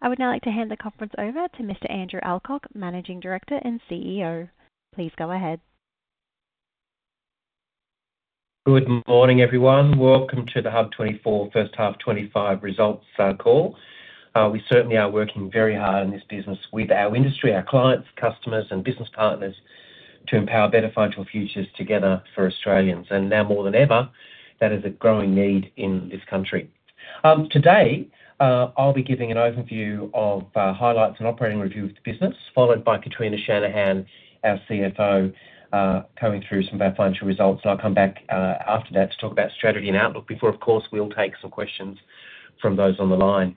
I would now like to hand the conference over to Mr. Andrew Alcock, Managing Director and CEO. Please go ahead. Good morning, everyone. Welcome to the HUB24 first half 2025 results call. We certainly are working very hard in this business with our industry, our clients, customers, and business partners to empower better financial futures together for Australians. And now more than ever, that is a growing need in this country. Today, I'll be giving an overview of highlights and operating review of the business, followed by Katrina Shanahan, our CFO, going through some of our financial results. And I'll come back after that to talk about strategy and outlook before, of course, we'll take some questions from those on the line.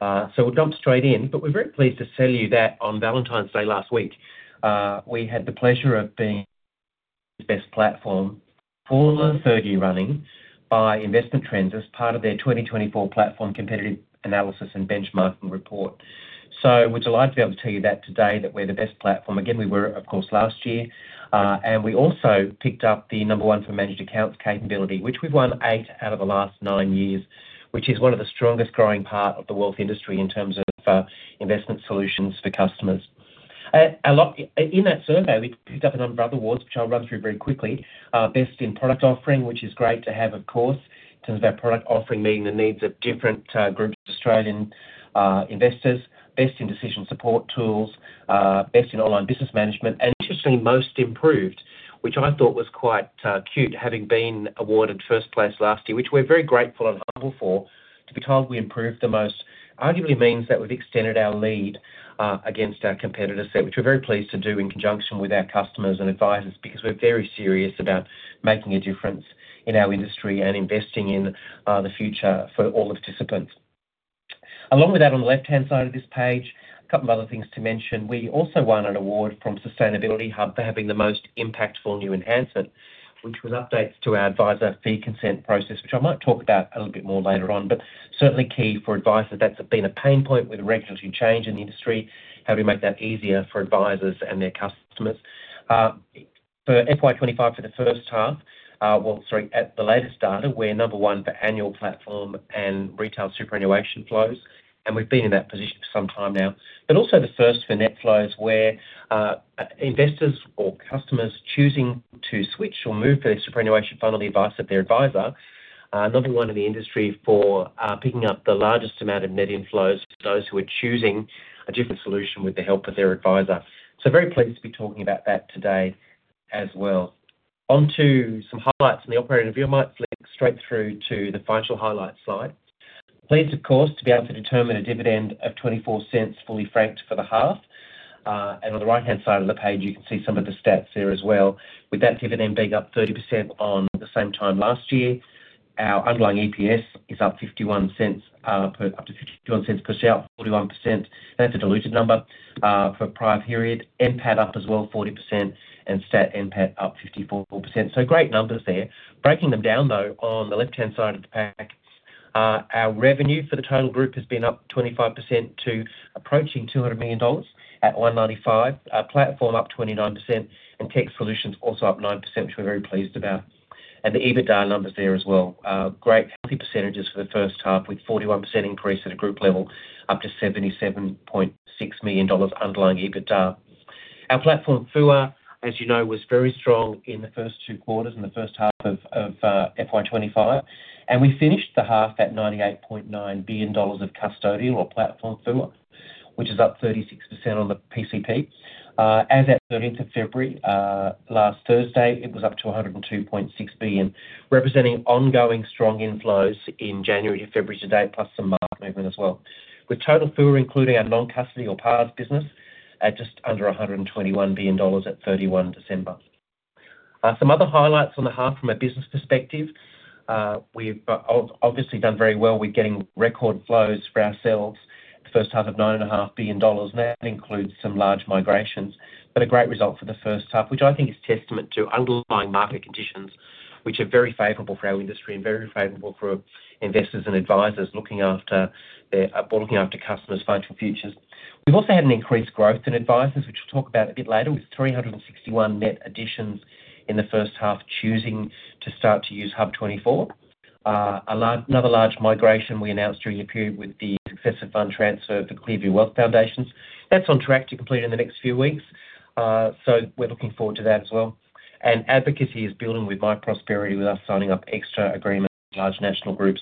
So we'll jump straight in, but we're very pleased to tell you that on Valentine's Day last week, we had the pleasure of being the best platform for the third year running by Investment Trends as part of their 2024 Platform Competitive Analysis and Benchmarking Report. So we're delighted to be able to tell you that today that we're the best platform. Again, we were, of course, last year. And we also picked up the number one for managed accounts capability, which we've won eight out of the last nine years, which is one of the strongest growing parts of the wealth industry in terms of investment solutions for customers. In that survey, we picked up a number of other awards, which I'll run through very quickly: best in product offering, which is great to have, of course, in terms of our product offering meeting the needs of different groups of Australian investors. Best in decision support tools. Best in online business management. And interestingly, most improved, which I thought was quite cute having been awarded first place last year, which we're very grateful and humbled for. To be told we improved the most arguably means that we've extended our lead against our competitor set, which we're very pleased to do in conjunction with our customers and advisors because we're very serious about making a difference in our industry and investing in the future for all the participants. Along with that, on the left-hand side of this page, a couple of other things to mention. We also won an award from Sustainability Hub for having the most impactful new enhancement, which was updates to our Adviser fee consent process, which I might talk about a little bit more later on, but certainly key for advisors. That's been a pain point with a regulatory change in the industry, how do we make that easier for advisors and their customers? For FY 2025, for the first half, well, sorry, at the latest data, we're number one for annual platform and retail superannuation flows. And we've been in that position for some time now. But also the first for net flows where investors or customers choosing to switch or move for their superannuation fund on the advice of their advisor, number one in the industry for picking up the largest amount of net inflows for those who are choosing a different solution with the help of their advisor. So very pleased to be talking about that today as well. Onto some highlights in the operating review. I might flick straight through to the financial highlights slide. Pleased, of course, to be able to determine a dividend of 0.24 fully franked for the half. And on the right-hand side of the page, you can see some of the stats there as well. With that dividend being up 30% on the same time last year, our underlying EPS is up 0.51 to 0.51 per share, up 41%. That's a diluted number for a prior period. NPAT up as well, 40%, and Stat NPAT up 54%. Great numbers there. Breaking them down, though, on the left-hand side of the pack, our revenue for the total group has been up 25% to approaching 200 million dollars at 195 million, our platform up 29%, and tech solutions also up 9%, which we're very pleased about. And the EBITDA numbers there as well. Great, healthy percentages for the first half with 41% increase at a group level up to 77.6 million dollars underlying EBITDA. Our platform FUA, as you know, was very strong in the first two quarters and the first half of FY 2025. We finished the half at 98.9 billion dollars of custodial or platform FUA, which is up 36% on the PCP. As of 13th of February, last Thursday, it was up to 102.6 billion, representing ongoing strong inflows in January to February to date, plus some market movement as well. With total FUA, including our non-custody or PARS business, at just under 121 billion dollars at 31 December. Some other highlights on the half from a business perspective. We've obviously done very well with getting record flows for ourselves for the first half of 9.5 billion dollars. That includes some large migrations, but a great result for the first half, which I think is testament to underlying market conditions, which are very favorable for our industry and very favorable for investors and advisors looking after their or looking after customers' financial futures. We've also had an increased growth in advisors, which we'll talk about a bit later, with 361 net additions in the first half choosing to start to use HUB24. Another large migration we announced during the period with the successive fund transfer for ClearView WealthFoundations. That's on track to complete in the next few weeks. So we're looking forward to that as well. And advocacy is building with myprosperity, with us signing up extra agreements with large national groups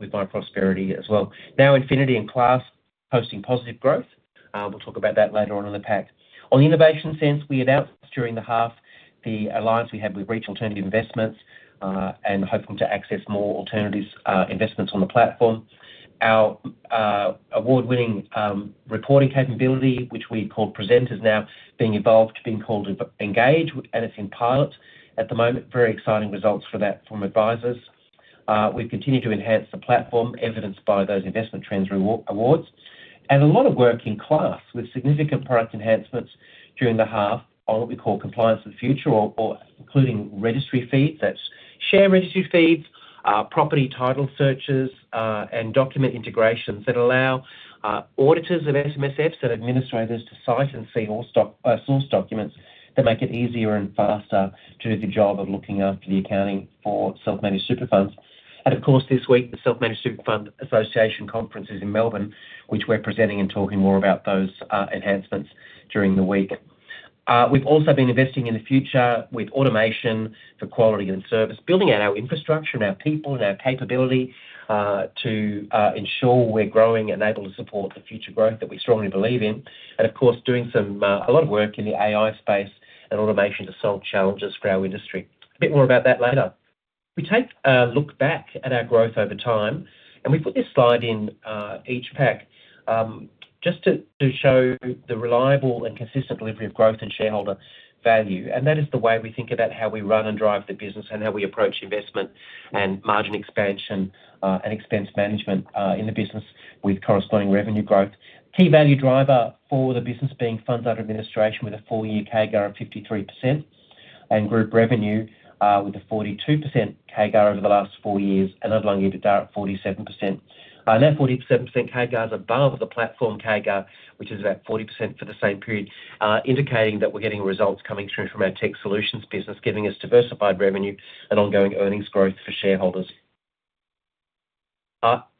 with myprosperity as well. NowInfinity and Class posting positive growth. We'll talk about that later on in the pack. On the innovation sense, we announced during the half the alliance we had with Reach Alternative Investments and hoping to access more alternative investments on the platform. Our award-winning reporting capability, which we call Presenters, now being evolved, being called Engage, and it's in pilot at the moment. Very exciting results for that from advisors. We've continued to enhance the platform, evidenced by those Investment Trends awards, and a lot of work in Class with significant product enhancements during the half on what we call compliance with the future, including registry feeds. That's share registry feeds, property title searches, and document integrations that allow auditors of SMSFs and administrators to cite and see all source documents that make it easier and faster to do the job of looking after the accounting for self-managed super funds. Of course, this week, the Self-Managed Super Fund Association conference is in Melbourne, which we're presenting and talking more about those enhancements during the week. We've also been investing in the future with automation for quality and service, building out our infrastructure and our people and our capability to ensure we're growing and able to support the future growth that we strongly believe in, and of course, doing a lot of work in the AI space and automation to solve challenges for our industry. A bit more about that later. We take a look back at our growth over time, and we put this slide in each pack just to show the reliable and consistent delivery of growth and shareholder value, and that is the way we think about how we run and drive the business and how we approach investment and margin expansion and expense management in the business with corresponding revenue growth. Key value driver for the business being funds under administration with a full year CAGR of 53% and group revenue with a 42% CAGR over the last four years and underlying EBITDA at 47%. That 47% CAGR is above the platform CAGR, which is about 40% for the same period, indicating that we're getting results coming through from our tech solutions business, giving us diversified revenue and ongoing earnings growth for shareholders.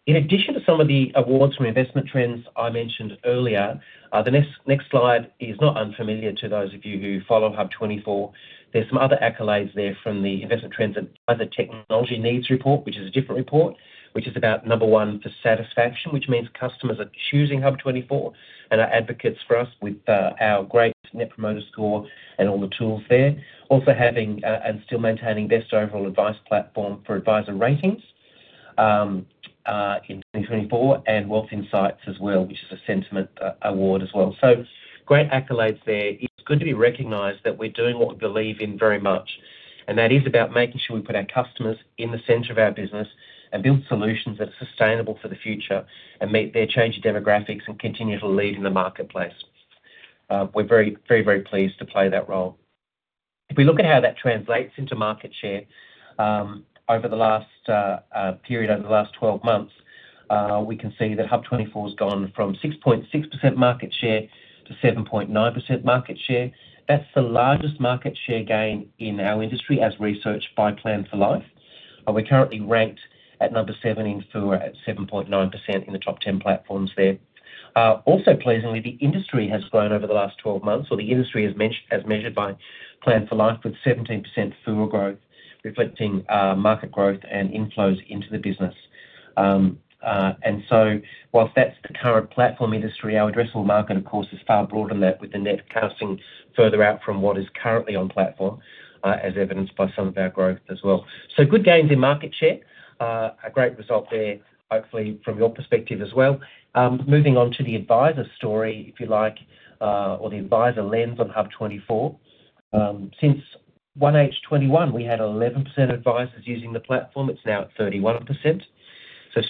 In addition to some of the awards from Investment Trends I mentioned earlier, the next slide is not unfamiliar to those of you who follow HUB24. There's some other accolades there from the Investment Trends and other technology needs report, which is a different report, which is about number one for satisfaction, which means customers are choosing HUB24 and are advocates for us with our great net promoter score and all the tools there. Also having and still maintaining best overall advice platform for Adviser Ratings in 2024 and Wealth Insights as well, which is a sentiment award as well. So great accolades there. It's good to be recognized that we're doing what we believe in very much. And that is about making sure we put our customers in the center of our business and build solutions that are sustainable for the future and meet their change in demographics and continue to lead in the marketplace. We're very, very, very pleased to play that role. If we look at how that translates into market share over the last period, over the last 12 months, we can see that HUB24 has gone from 6.6% market share to 7.9% market share. That's the largest market share gain in our industry as researched by Plan For Life. We're currently ranked at number seven in FUA at 7.9% in the top 10 platforms there. Also pleasingly, the industry has grown over the last 12 months, or the industry as measured by Plan For Life with 17% FUA growth, reflecting market growth and inflows into the business, and so whilst that's the current platform industry, our addressable market, of course, is far broader than that with the non-custody further out from what is currently on platform, as evidenced by some of our growth as well, so good gains in market share, a great result there, hopefully from your perspective as well. Moving on to the advisor story, if you like, or the advisor lens on HUB24. Since 1H21, we had 11% advisors using the platform. It's now at 31%.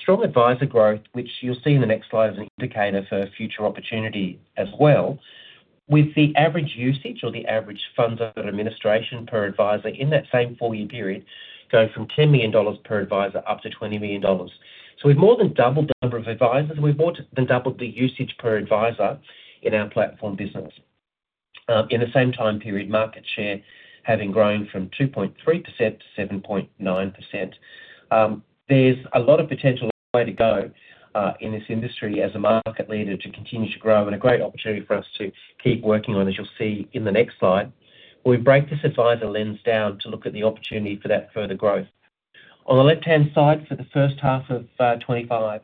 Strong advisor growth, which you'll see in the next slide as an indicator for future opportunity as well, with the average usage or the average funds under administration per advisor in that same four-year period going from 10 million dollars per advisor up to 20 million dollars. So we've more than doubled the number of advisors. We've more than doubled the usage per advisor in our platform business. In the same time period, market share having grown from 2.3%-7.9%. There's a lot of potential and a long way to go in this industry as a market leader to continue to grow and a great opportunity for us to keep working on, as you'll see in the next slide. We break this advisor lens down to look at the opportunity for that further growth. On the left-hand side for the first half of 2025,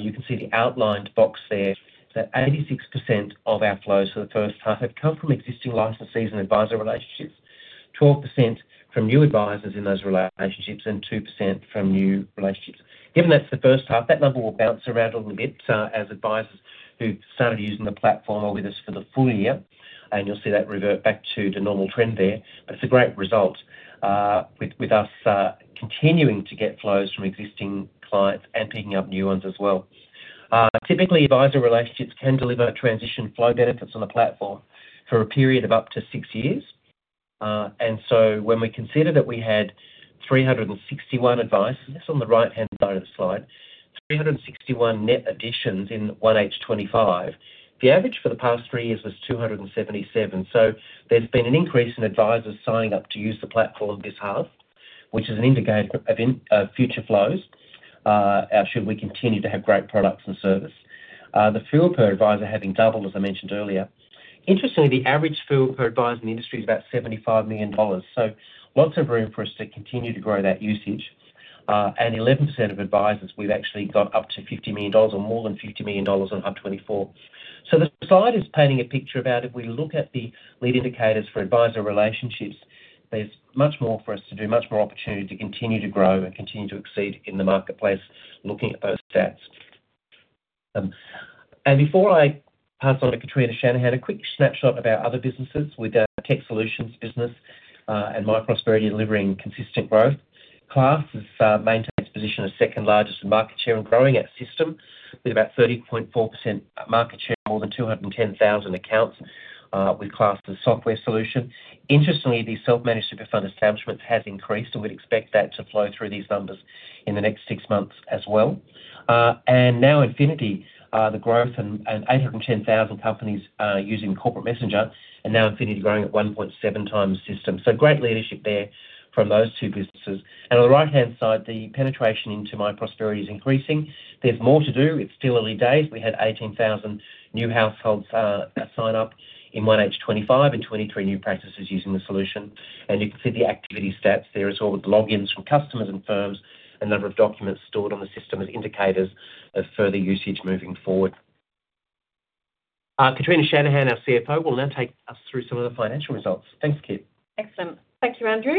you can see the outlined box there that 86% of our flows for the first half have come from existing licensees and advisor relationships, 12% from new advisors in those relationships, and 2% from new relationships. Given that's the first half, that number will bounce around a little bit as advisors who started using the platform are with us for the full year. And you'll see that revert back to the normal trend there. But it's a great result with us continuing to get flows from existing clients and picking up new ones as well. Typically, advisor relationships can deliver transition flow benefits on a platform for a period of up to six years. And so when we consider that we had 361 advisors, that's on the right-hand side of the slide, 361 net additions in 1H25, the average for the past three years was 277. So there's been an increase in advisors signing up to use the platform this half, which is an indicator of future flows should we continue to have great products and service. The FUA per advisor having doubled, as I mentioned earlier. Interestingly, the average FUA per advisor in the industry is about 75 million dollars. So lots of room for us to continue to grow that usage. And 11% of advisors, we've actually got up to 50 million dollars or more than 50 million dollars on HUB24. So the slide is painting a picture about if we look at the lead indicators for advisor relationships, there's much more for us to do, much more opportunity to continue to grow and continue to exceed in the marketplace looking at those stats. And before I pass on to Katrina Shanahan, a quick snapshot about other businesses with our tech solutions business and myprosperity delivering consistent growth. Class has maintained its position as second largest in market share and growing at system with about 30.4% market share and more than 210,000 accounts with Class as a software solution. Interestingly, the self-managed super fund establishments has increased, and we'd expect that to flow through these numbers in the next six months as well. And NowInfinity, the growth and 810,000 companies using Corporate Messenger, and NowInfinity growing at 1.7 times system. So great leadership there from those two businesses. And on the right-hand side, the penetration into myprosperity is increasing. There's more to do. It's still early days. We had 18,000 new households sign up in 1H25 and 23 new practices using the solution. And you can see the activity stats there as well with logins from customers and firms and number of documents stored on the system as indicators of further usage moving forward. Katrina Shanahan, our CFO, will now take us through some of the financial results. Thanks, Kit. Excellent. Thank you, Andrew.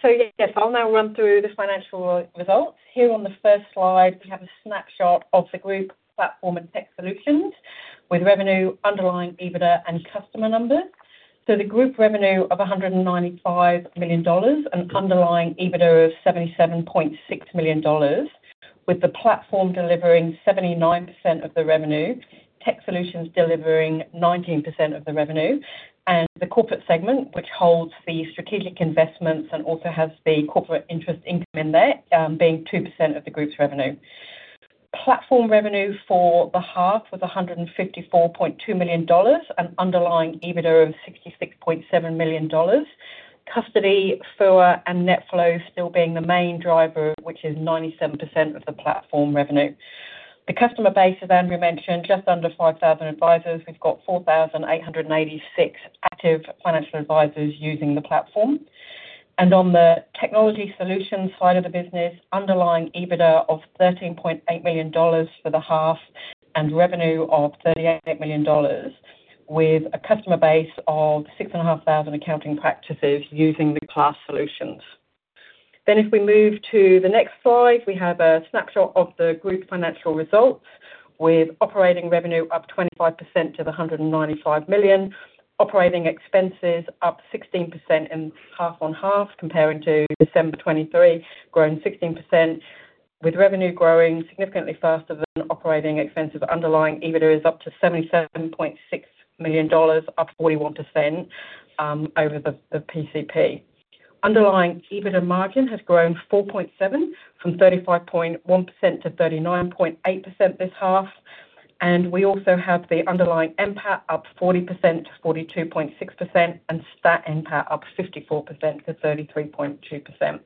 So yes, I'll now run through the financial results. Here on the first slide, we have a snapshot of the group platform and tech solutions with revenue, underlying EBITDA, and customer numbers. So the group revenue of 195 million dollars and underlying EBITDA of 77.6 million dollars, with the platform delivering 79% of the revenue, tech solutions delivering 19% of the revenue, and the corporate segment, which holds the strategic investments and also has the corporate interest income in there, being 2% of the group's revenue. Platform revenue for the half was 154.2 million dollars and underlying EBITDA of 66.7 million dollars. Custody, FUA, and net flow still being the main driver, which is 97% of the platform revenue. The customer base is, as Andrew mentioned, just under 5,000 advisors. We've got 4,886 active financial advisors using the platform. And on the technology solutions side of the business, underlying EBITDA of 13.8 million dollars for the half and revenue of 38 million dollars, with a customer base of 6,500 accounting practices using the Class solutions. If we move to the next slide, we have a snapshot of the group financial results with operating revenue up 25% to 195 million, operating expenses up 16% half on half compared to December 2023, growing 16%, with revenue growing significantly faster than operating expenses. Underlying EBITDA is up to 77.6 million dollars, up 41% over the PCP. Underlying EBITDA margin has grown 4.7% from 35.1% to 39.8% this half. And we also have the underlying NPAT up 40% to 42.6 million and statutory NPAT up 54% to 33.2 million.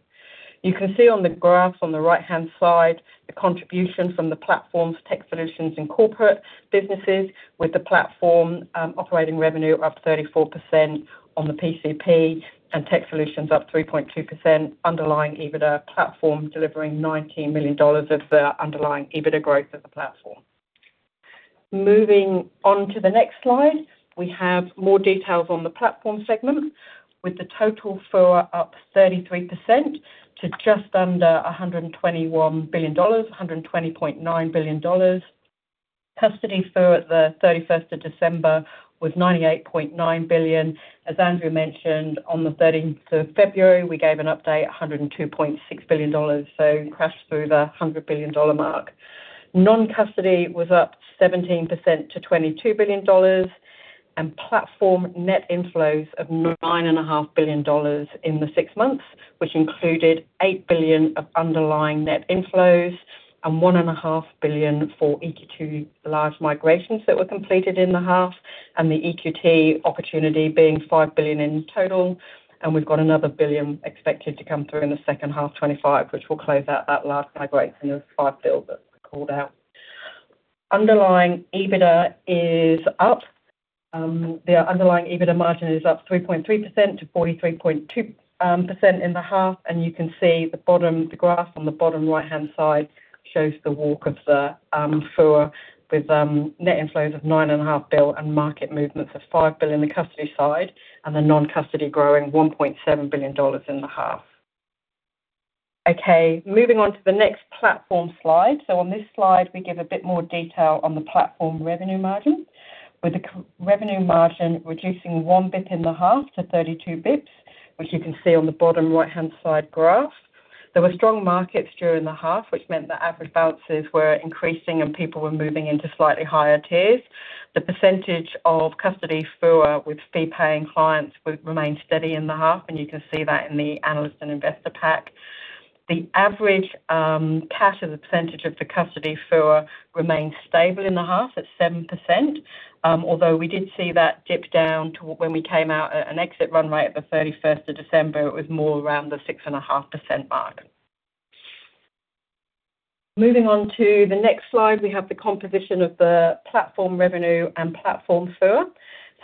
You can see on the graphs on the right-hand side the contribution from the platforms, tech solutions, and corporate businesses, with the platform operating revenue up 34% on the PCP and tech solutions up 3.2%. Underlying EBITDA platform delivering 19 million dollars of the underlying EBITDA growth of the platform. Moving on to the next slide, we have more details on the platform segment, with the total FUA up 33% to just under 121 billion dollars, 120.9 billion dollars. Custody FUA at the 31st of December was 98.9 billion. As Andrew mentioned, on the 13th of February, we gave an update, 102.6 billion dollars, so crashed through the 100 billion dollar mark. Non-custody was up 17% to 22 billion dollars, and platform net inflows of 9.5 billion dollars in the six months, which included 8 billion of underlying net inflows and 1.5 billion for EQT large migrations that were completed in the half, and the EQT opportunity being 5 billion in total. And we've got another billion expected to come through in the second half 2025, which will close out that large migration of 5 billion that we called out. Underlying EBITDA is up. The underlying EBITDA margin is up 3.3%-43.2% in the half. You can see the graph on the bottom right-hand side shows the walk of the FUA with net inflows of 9.5 billion and market movements of 5 billion on the custody side and the non-custody growing 1.7 billion dollars in the half. Okay, moving on to the next platform slide. So on this slide, we give a bit more detail on the platform revenue margin, with the revenue margin reducing one basis point in the half to 32 basis points, which you can see on the bottom right-hand side graph. There were strong markets during the half, which meant that average balances were increasing and people were moving into slightly higher tiers. The percentage of custody FUA with fee-paying clients remained steady in the half, and you can see that in the analyst and investor pack. The average cash as a percentage of the custody FUA remained stable in the half at 7%, although we did see that dip down to when we came out at an exit run rate at the 31st of December. It was more around the 6.5% mark. Moving on to the next slide, we have the composition of the platform revenue and platform FUA.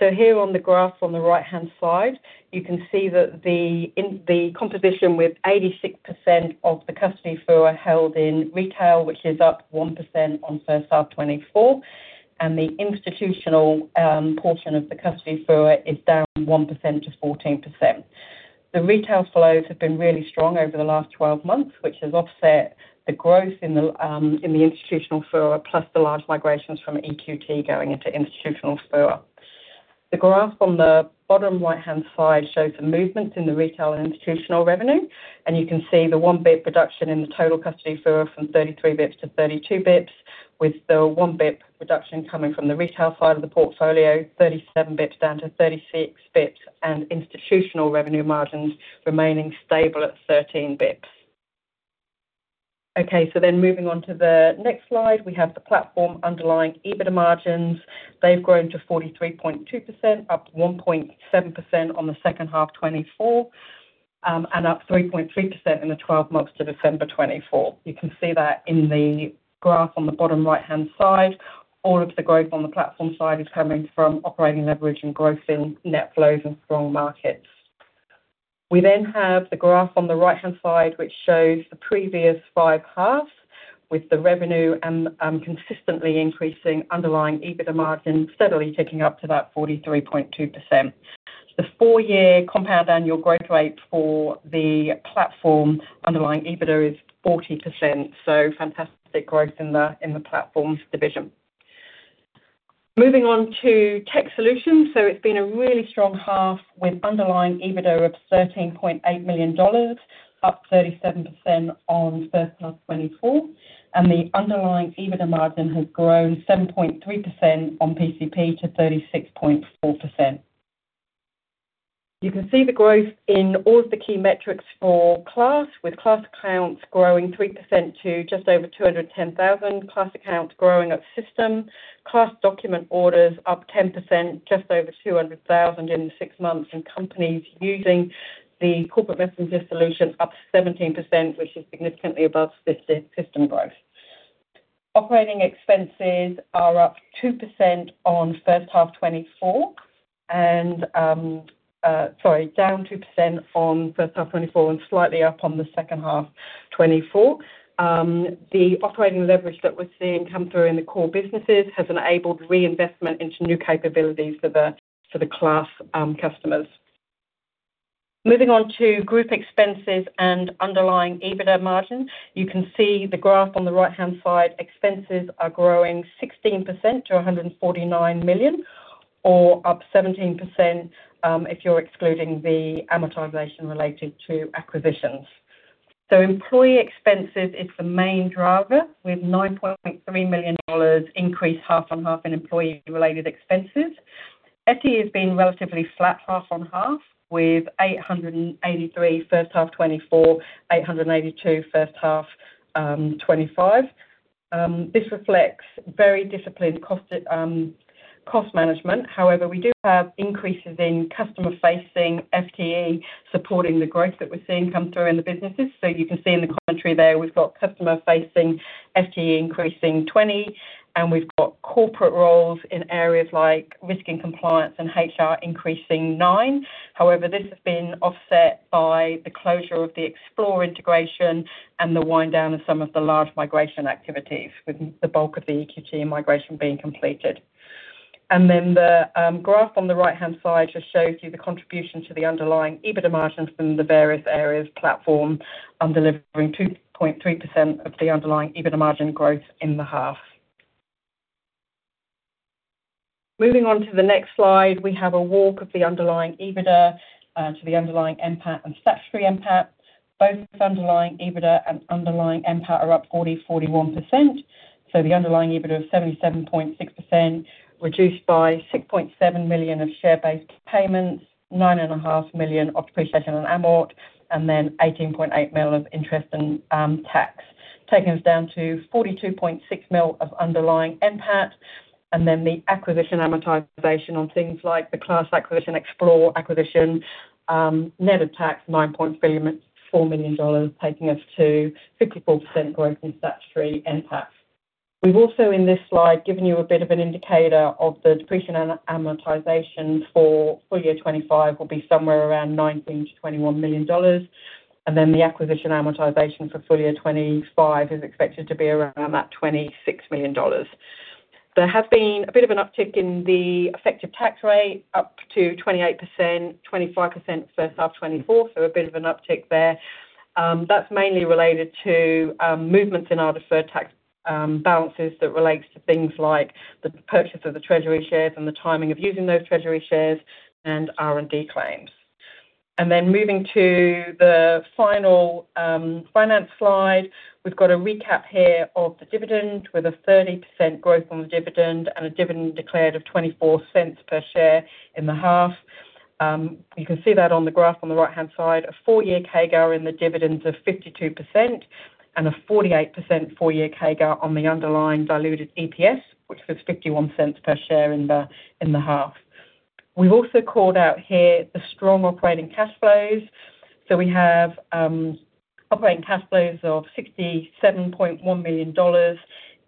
So here on the graph on the right-hand side, you can see that the composition with 86% of the custody FUA held in retail, which is up 1% on first half 2024, and the institutional portion of the custody FUA is down 1%-14%. The retail flows have been really strong over the last 12 months, which has offset the growth in the institutional FUA plus the large migrations from EQT going into institutional FUA. The graph on the bottom right-hand side shows the movements in the retail and institutional revenue. You can see the one basis point reduction in the total custody FUA from 33 basis points to 32 basis points, with the one basis point reduction coming from the retail side of the portfolio, 37 basis points down to 36 basis points, and institutional revenue margins remaining stable at 13 basis points. Okay, so then moving on to the next slide, we have the platform underlying EBITDA margins. They've grown to 43.2%, up 1.7% on the second half 2024, and up 3.3% in the 12 months to December 2024. You can see that in the graph on the bottom right-hand side. All of the growth on the platform side is coming from operating leverage and growth in net flows and strong markets. We then have the graph on the right-hand side, which shows the previous five halves with the revenue and consistently increasing underlying EBITDA margin steadily ticking up to that 43.2%. The four-year compound annual growth rate for the platform underlying EBITDA is 40%, so fantastic growth in the platform division. Moving on to tech solutions, so it's been a really strong half with underlying EBITDA of 13.8 million dollars, up 37% on first half 2024, and the underlying EBITDA margin has grown 7.3% on PCP to 36.4%. You can see the growth in all of the key metrics for Class, with Class accounts growing 3% to just over 210,000, Class accounts growing at system, Class document orders up 10%, just over 200,000 in the six months, and companies using the Corporate Messenger solution up 17%, which is significantly above system growth. Operating expenses are up 2% on first half 2024 and, sorry, down 2% on first half 2024 and slightly up on the second half 2024. The operating leverage that we're seeing come through in the core businesses has enabled reinvestment into new capabilities for the Class customers. Moving on to group expenses and underlying EBITDA margin. You can see the graph on the right-hand side. Expenses are growing 16% to 149 million, or up 17% if you're excluding the amortization related to acquisitions. So employee expenses is the main driver, with 9.3 million dollars increase half on half in employee-related expenses. Other has been relatively flat half on half, with 88.3 first half 2024, 88.2 first half 2025. This reflects very disciplined cost management. However, we do have increases in customer-facing FTE supporting the growth that we're seeing come through in the businesses. You can see in the commentary there, we've got customer-facing FTE increasing 20%, and we've got corporate roles in areas like risk and compliance and HR increasing 9%. However, this has been offset by the closure of the Xplore integration and the wind down of some of the large migration activities, with the bulk of the EQT migration being completed. And then the graph on the right-hand side just shows you the contribution to the underlying EBITDA margin from the various areas platform delivering 2.3% of the underlying EBITDA margin growth in the half. Moving on to the next slide, we have a walk of the underlying EBITDA to the underlying NPAT and statutory NPAT. Both underlying EBITDA and underlying NPAT are up 40%, 41%. The underlying EBITDA growth of 77.6% reduced by 6.7 million of share-based payments, 9.5 million of depreciation and amortization, and then 18.8 million of interest and tax. Taking us down to 42.6 million of underlying NPAT, and then the acquisition amortization on things like the Class acquisition, Xplore acquisition, net of tax 9.4 million dollars, taking us to 54% growth in statutory NPAT. We've also in this slide given you a bit of an indicator of the depreciation and amortization for full year 2025 will be somewhere around 19-21 million dollars, and then the acquisition amortization for full year 2025 is expected to be around that 26 million dollars. There has been a bit of an uptick in the effective tax rate up to 28%, 25% first half 2024, so a bit of an uptick there. That's mainly related to movements in our deferred tax balances that relates to things like the purchase of the treasury shares and the timing of using those treasury shares and R&D claims. And then moving to the final finance slide, we've got a recap here of the dividend with a 30% growth on the dividend and a dividend declared of 0.24 per share in the half. You can see that on the graph on the right-hand side, a four-year CAGR in the dividends of 52% and a 48% four-year CAGR on the underlying diluted EPS, which was 0.51 per share in the half. We've also called out here the strong operating cash flows. So we have operating cash flows of 67.1 million dollars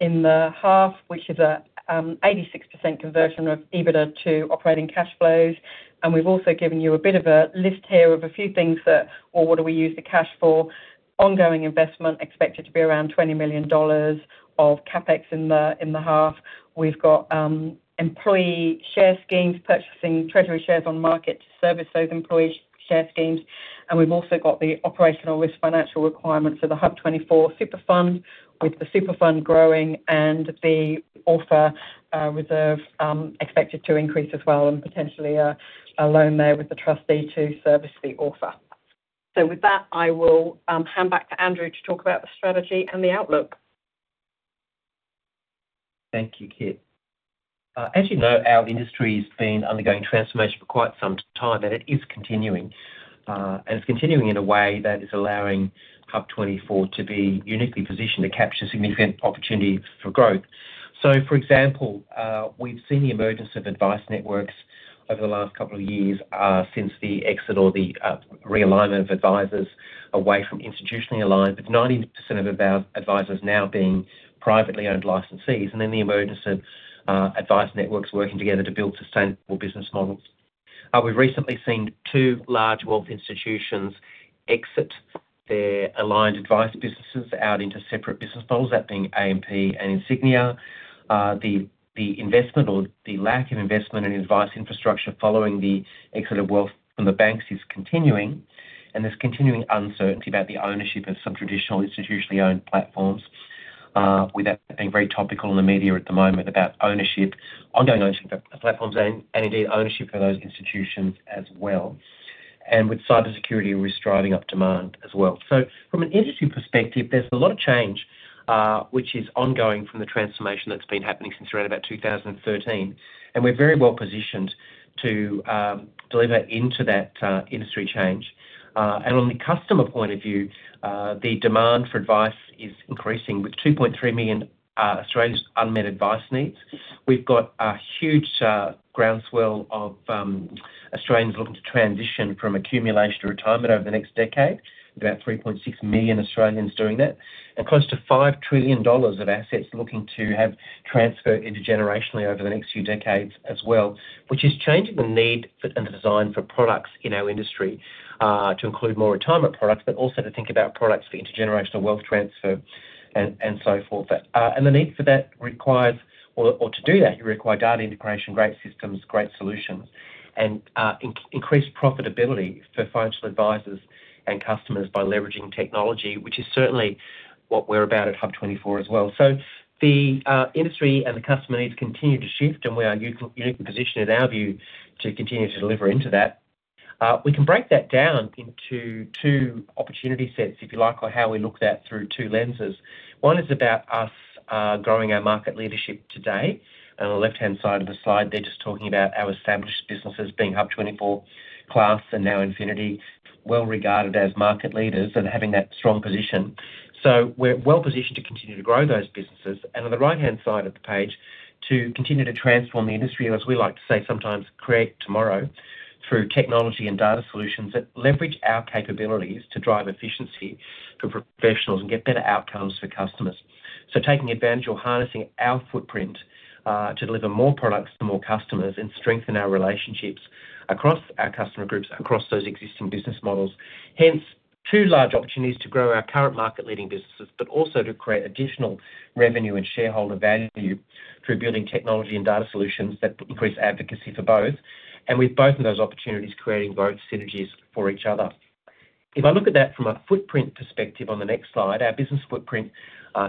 in the half, which is an 86% conversion of EBITDA to operating cash flows. And we've also given you a bit of a list here of a few things that, or what do we use the cash for. Ongoing investment expected to be around 20 million dollars of CapEx in the half. We've got employee share schemes purchasing treasury shares on market to service those employee share schemes. And we've also got the operational risk financial requirements for the HUB24 Super Fund, with the Super Fund growing and the offer reserve expected to increase as well and potentially a loan there with the trustee to service the offer. So with that, I will hand back to Andrew to talk about the strategy and the outlook. Thank you, Kit. As you know, our industry has been undergoing transformation for quite some time, and it is continuing. And it's continuing in a way that is allowing HUB24 to be uniquely positioned to capture significant opportunities for growth. So, for example, we've seen the emergence of advice networks over the last couple of years since the exit or the realignment of advisors away from institutionally aligned, with 90% of advisors now being privately owned licensees and then the emergence of advice networks working together to build sustainable business models. We've recently seen two large wealth institutions exit their aligned advice businesses out into separate business models, that being AMP and Insignia. The investment or the lack of investment in advice infrastructure following the exit of wealth from the banks is continuing, and there's continuing uncertainty about the ownership of some traditional institutionally owned platforms, with that being very topical in the media at the moment about ongoing ownership of platforms and indeed ownership for those institutions as well. And with cybersecurity, we're driving up demand as well. So, from an industry perspective, there's a lot of change, which is ongoing from the transformation that's been happening since around about 2013, and we're very well positioned to deliver into that industry change. And on the customer point of view, the demand for advice is increasing with 2.3 million Australians' unmet advice needs. We've got a huge groundswell of Australians looking to transition from accumulation to retirement over the next decade, with about 3.6 million Australians doing that, and close to 5 trillion dollars of assets looking to have transferred intergenerationally over the next few decades as well, which is changing the need and the design for products in our industry to include more retirement products, but also to think about products for intergenerational wealth transfer and so forth. The need for that requires, or to do that, you require data integration, great systems, great solutions, and increased profitability for financial advisors and customers by leveraging technology, which is certainly what we're about at HUB24 as well. The industry and the customer needs continue to shift, and we are uniquely positioned in our view to continue to deliver into that. We can break that down into two opportunity sets, if you like, or how we look at that through two lenses. One is about us growing our market leadership today. On the left-hand side of the slide, they're just talking about our established businesses being HUB24, Class, and NowInfinity, well regarded as market leaders and having that strong position. We're well positioned to continue to grow those businesses. And on the right-hand side of the page, to continue to transform the industry, as we like to say sometimes, Create Tomorrow through technology and data solutions that leverage our capabilities to drive efficiency for professionals and get better outcomes for customers. So, taking advantage or harnessing our footprint to deliver more products to more customers and strengthen our relationships across our customer groups, across those existing business models. Hence, two large opportunities to grow our current market-leading businesses, but also to create additional revenue and shareholder value through building technology and data solutions that increase advocacy for both. And with both of those opportunities, creating both synergies for each other. If I look at that from a footprint perspective on the next slide, our business footprint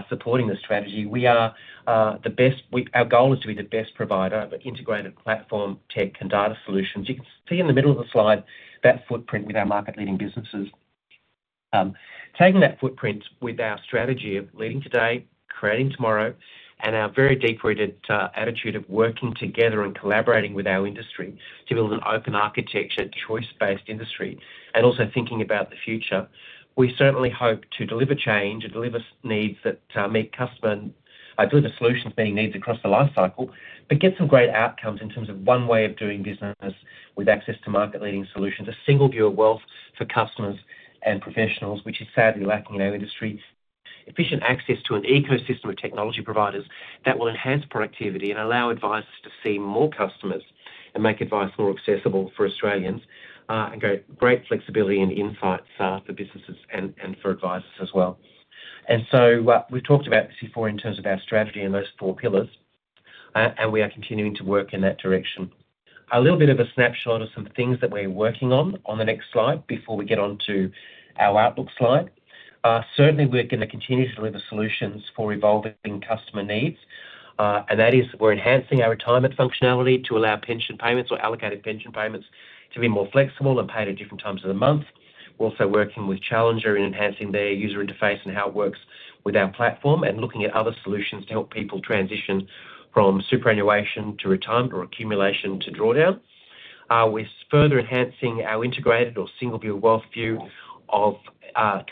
supporting the strategy, we are the best. Our goal is to be the best provider of integrated platform tech and data solutions. You can see in the middle of the slide that footprint with our market-leading businesses. Taking that footprint with our strategy of leading today, creating tomorrow, and our very deep-rooted attitude of working together and collaborating with our industry to build an open architecture, choice-based industry, and also thinking about the future, we certainly hope to deliver change and deliver needs that meet customer and deliver solutions meeting needs across the life cycle, but get some great outcomes in terms of one way of doing business with access to market-leading solutions, a single view of wealth for customers and professionals, which is sadly lacking in our industry, efficient access to an ecosystem of technology providers that will enhance productivity and allow advisors to see more customers and make advice more accessible for Australians, and great flexibility and insights for businesses and for advisors as well. And so, we've talked about this before in terms of our strategy and those four pillars, and we are continuing to work in that direction. A little bit of a snapshot of some things that we're working on on the next slide before we get on to our outlook slide. Certainly, we're going to continue to deliver solutions for evolving customer needs, and that is we're enhancing our retirement functionality to allow pension payments or allocated pension payments to be more flexible and paid at different times of the month. We're also working with Challenger in enhancing their user interface and how it works with our platform and looking at other solutions to help people transition from superannuation to retirement or accumulation to drawdown. We're further enhancing our integrated or single view wealth view of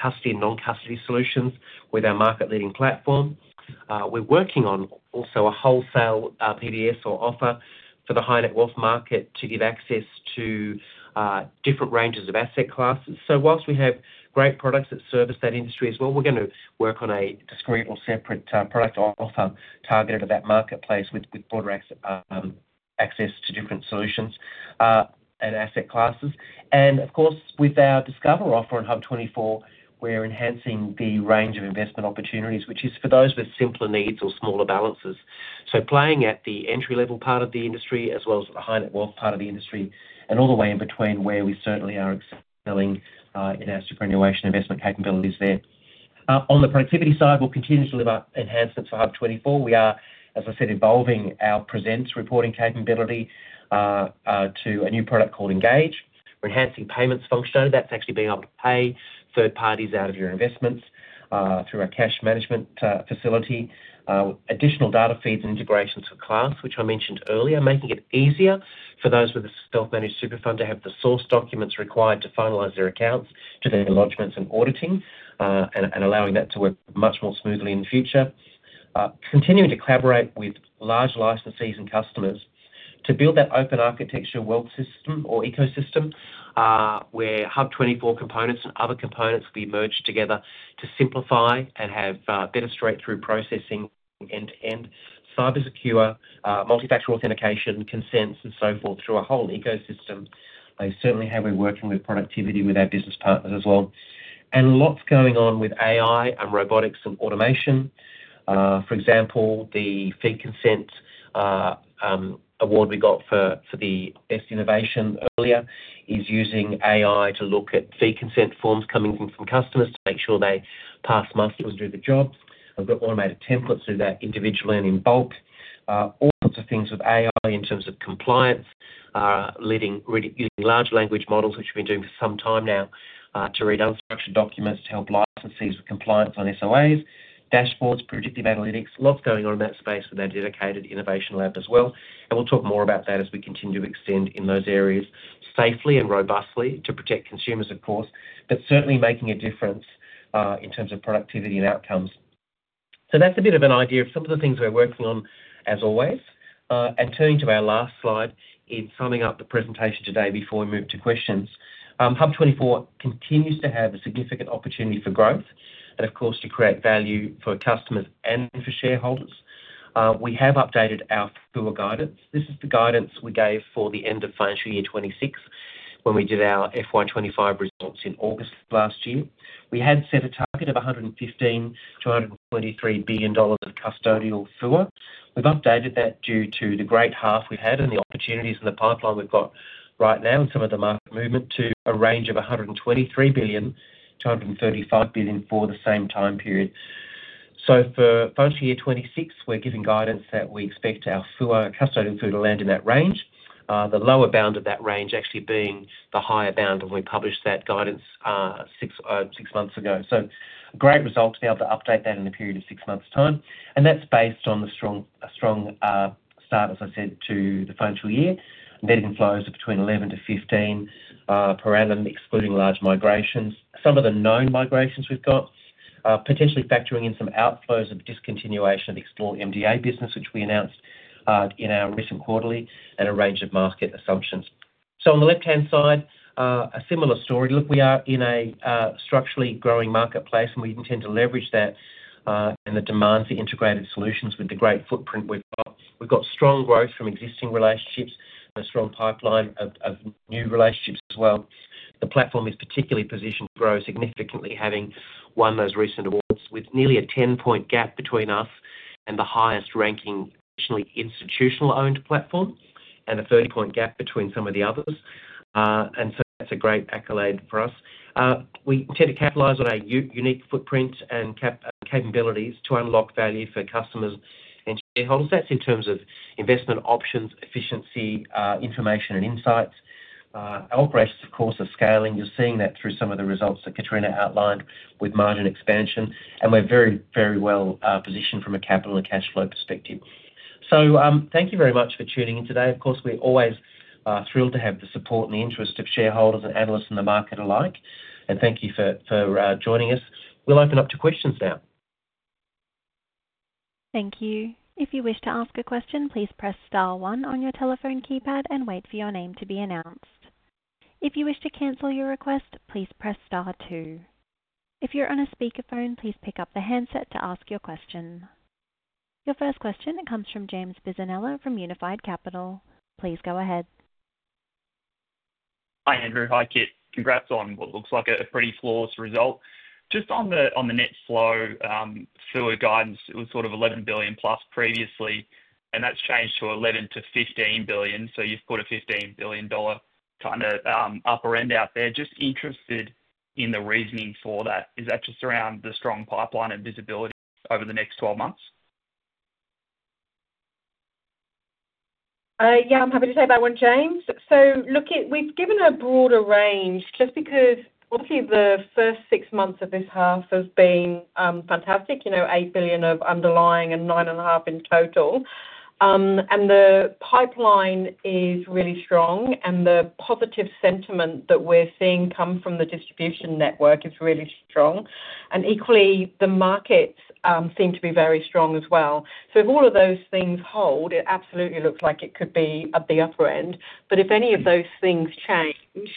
custody and non-custody solutions with our market-leading platform. We're working on also a wholesale PDS or offer for the high-net-worth market to give access to different ranges of asset Classes. So, whilst we have great products that service that industry as well, we're going to work on a discrete or separate product offer targeted at that marketplace with broader access to different solutions and asset Classes. And of course, with our Discover offer on HUB24, we're enhancing the range of investment opportunities, which is for those with simpler needs or smaller balances. So, playing at the entry-level part of the industry as well as the high-net-worth part of the industry and all the way in between where we certainly are excelling in our superannuation investment capabilities there. On the productivity side, we'll continue to deliver enhancements for HUB24. We are, as I said, evolving our present reporting capability to a new product called Engage. We're enhancing payments functionality. That's actually being able to pay third parties out of your investments through our cash management facility. Additional data feeds and integrations for Class, which I mentioned earlier, making it easier for those with a self-managed super fund to have the source documents required to finalize their accounts to their lodgments and auditing and allowing that to work much more smoothly in the future. Continuing to collaborate with large licensees and customers to build that open architecture wealth system or ecosystem where HUB24 components and other components will be merged together to simplify and have better straight-through processing end-to-end, cybersecure, multi-factor authentication, consents, and so forth through a whole ecosystem. Certainly, how we're working with productivity with our business partners as well. And lots going on with AI and robotics and automation. For example, the fee consent award we got for the best innovation earlier is using AI to look at fee consent forms coming in from customers to make sure they pass muster and do the job. We've got automated templates to do that individually and in bulk. All sorts of things with AI in terms of compliance, using large language models, which we've been doing for some time now to read unstructured documents to help licensees with compliance on SOAs, dashboards, predictive analytics. Lots going on in that space with our dedicated innovation lab as well, and we'll talk more about that as we continue to extend in those areas safely and robustly to protect consumers, of course, but certainly making a difference in terms of productivity and outcomes, so that's a bit of an idea of some of the things we're working on as always. And turning to our last slide, in summing up the presentation today before we move to questions, HUB24 continues to have a significant opportunity for growth and, of course, to create value for customers and for shareholders. We have updated our FUA guidance. This is the guidance we gave for the end of financial year 2026 when we did our FY 2025 results in August last year. We had set a target of 115 billion-123 billion dollars of custodial FUA. We've updated that due to the great half we've had and the opportunities in the pipeline we've got right now and some of the market movement to a range of 123 billion-135 billion for the same time period. For financial year 2026, we're giving guidance that we expect our FUA custody and FUA to land in that range, the lower bound of that range actually being the higher bound when we published that guidance six months ago. Great result to be able to update that in a period of six months' time. That's based on a strong start, as I said, to the financial year. Embedded inflows are between 11-15 per annum, excluding large migrations. Some of the known migrations we've got are potentially factoring in some outflows of discontinuation of the Xplore MDA business, which we announced in our recent quarterly and a range of market assumptions. On the left-hand side, a similar story. Look, we are in a structurally growing marketplace, and we intend to leverage that and the demand for integrated solutions with the great footprint we've got. We've got strong growth from existing relationships and a strong pipeline of new relationships as well. The platform is particularly positioned to grow significantly, having won those recent awards with nearly a 10-point gap between us and the highest-ranking traditionally institutional-owned platform and a 30-point gap between some of the others. And so that's a great accolade for us. We intend to capitalize on our unique footprint and capabilities to unlock value for customers and shareholders. That's in terms of investment options, efficiency, information, and insights. Our operations, of course, are scaling. You're seeing that through some of the results that Katrina outlined with margin expansion, and we're very, very well positioned from a capital and cash flow perspective. So thank you very much for tuning in today. Of course, we're always thrilled to have the support and the interest of shareholders and analysts in the market alike, and thank you for joining us. We'll open up to questions now. Thank you. If you wish to ask a question, please press star one on your telephone keypad and wait for your name to be announced. If you wish to cancel your request, please press star two. If you're on a speakerphone, please pick up the handset to ask your question. Your first question comes from James Bisinella from Unified Capital. Please go ahead. Hi, Andrew. Hi, Kit. Congrats on what looks like a pretty flawless result. Just on the net flow FUA guidance, it was sort of 11 billion plus previously, and that's changed to 11 billion-15 billion. So you've put a 15 billion dollar kind of upper end out there. Just interested in the reasoning for that. Is that just around the strong pipeline and visibility over the next 12 months? Yeah, I'm happy to take that one, James. So look, we've given a broader range just because obviously the first six months of this half have been fantastic, 8 billion of underlying and 9.5 billion in total. And the pipeline is really strong, and the positive sentiment that we're seeing come from the distribution network is really strong. And equally, the markets seem to be very strong as well. So if all of those things hold, it absolutely looks like it could be at the upper end. But if any of those things change,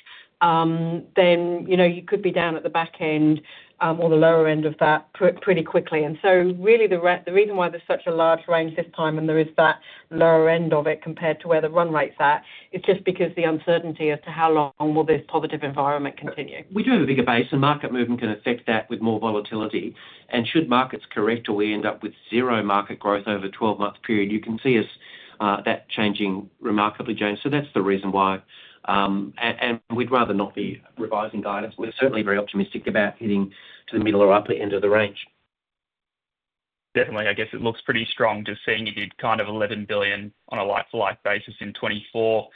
then you could be down at the back end or the lower end of that pretty quickly. Really, the reason why there's such a large range this time and there is that lower end of it compared to where the run rates are is just because of the uncertainty as to how long will this positive environment continue. We do have a bigger base, and market movement can affect that with more volatility. And should markets correct or we end up with zero market growth over a 12-month period, you can see that changing remarkably, James. So that's the reason why. And we'd rather not be revising guidance. We're certainly very optimistic about hitting to the middle or upper end of the range. Definitely. I guess it looks pretty strong just seeing you did kind of 11 billion on a like-for-like basis in 2024.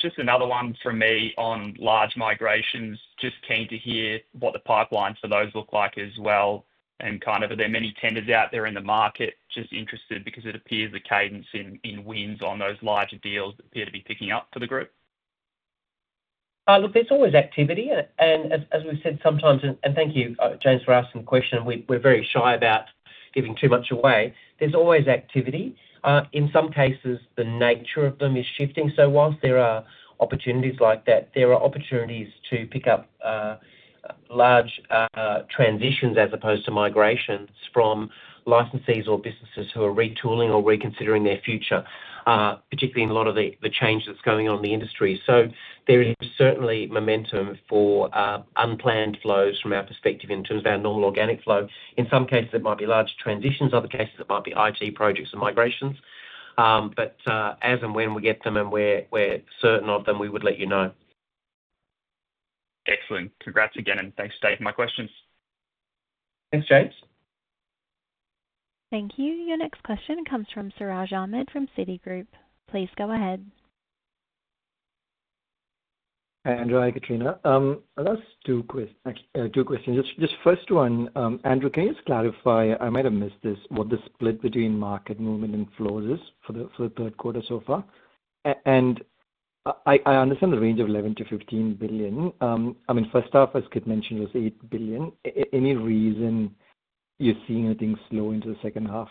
Just another one for me on large migrations. Just keen to hear what the pipeline for those look like as well. And kind of, are there many tenders out there in the market? Just interested because it appears the cadence in wins on those larger deals appear to be picking up for the group. Look, there's always activity. And as we've said sometimes, and thank you, James, for asking the question, we're very shy about giving too much away. There's always activity. In some cases, the nature of them is shifting. So whilst there are opportunities like that, there are opportunities to pick up large transitions as opposed to migrations from licensees or businesses who are retooling or reconsidering their future, particularly in a lot of the change that's going on in the industry. So there is certainly momentum for unplanned flows from our perspective in terms of our normal organic flow. In some cases, it might be large transitions. Other cases, it might be IT projects and migrations. But as and when we get them and we're certain of them, we would let you know. Excellent. Congrats again, and thanks for my questions. Thanks, James. Thank you. Your next question comes from Siraj Ahmed from Citigroup. Please go ahead. Hi, Andrew. Hi, Katrina. Last two questions. Just first one, Andrew, can you just clarify—I might have missed this—what the split between market movement and flows is for the third quarter so far? And I understand the range of $11 billion-$15 billion. I mean, first off, as Kit mentioned, it was $8 billion. Any reason you're seeing anything slow into the second half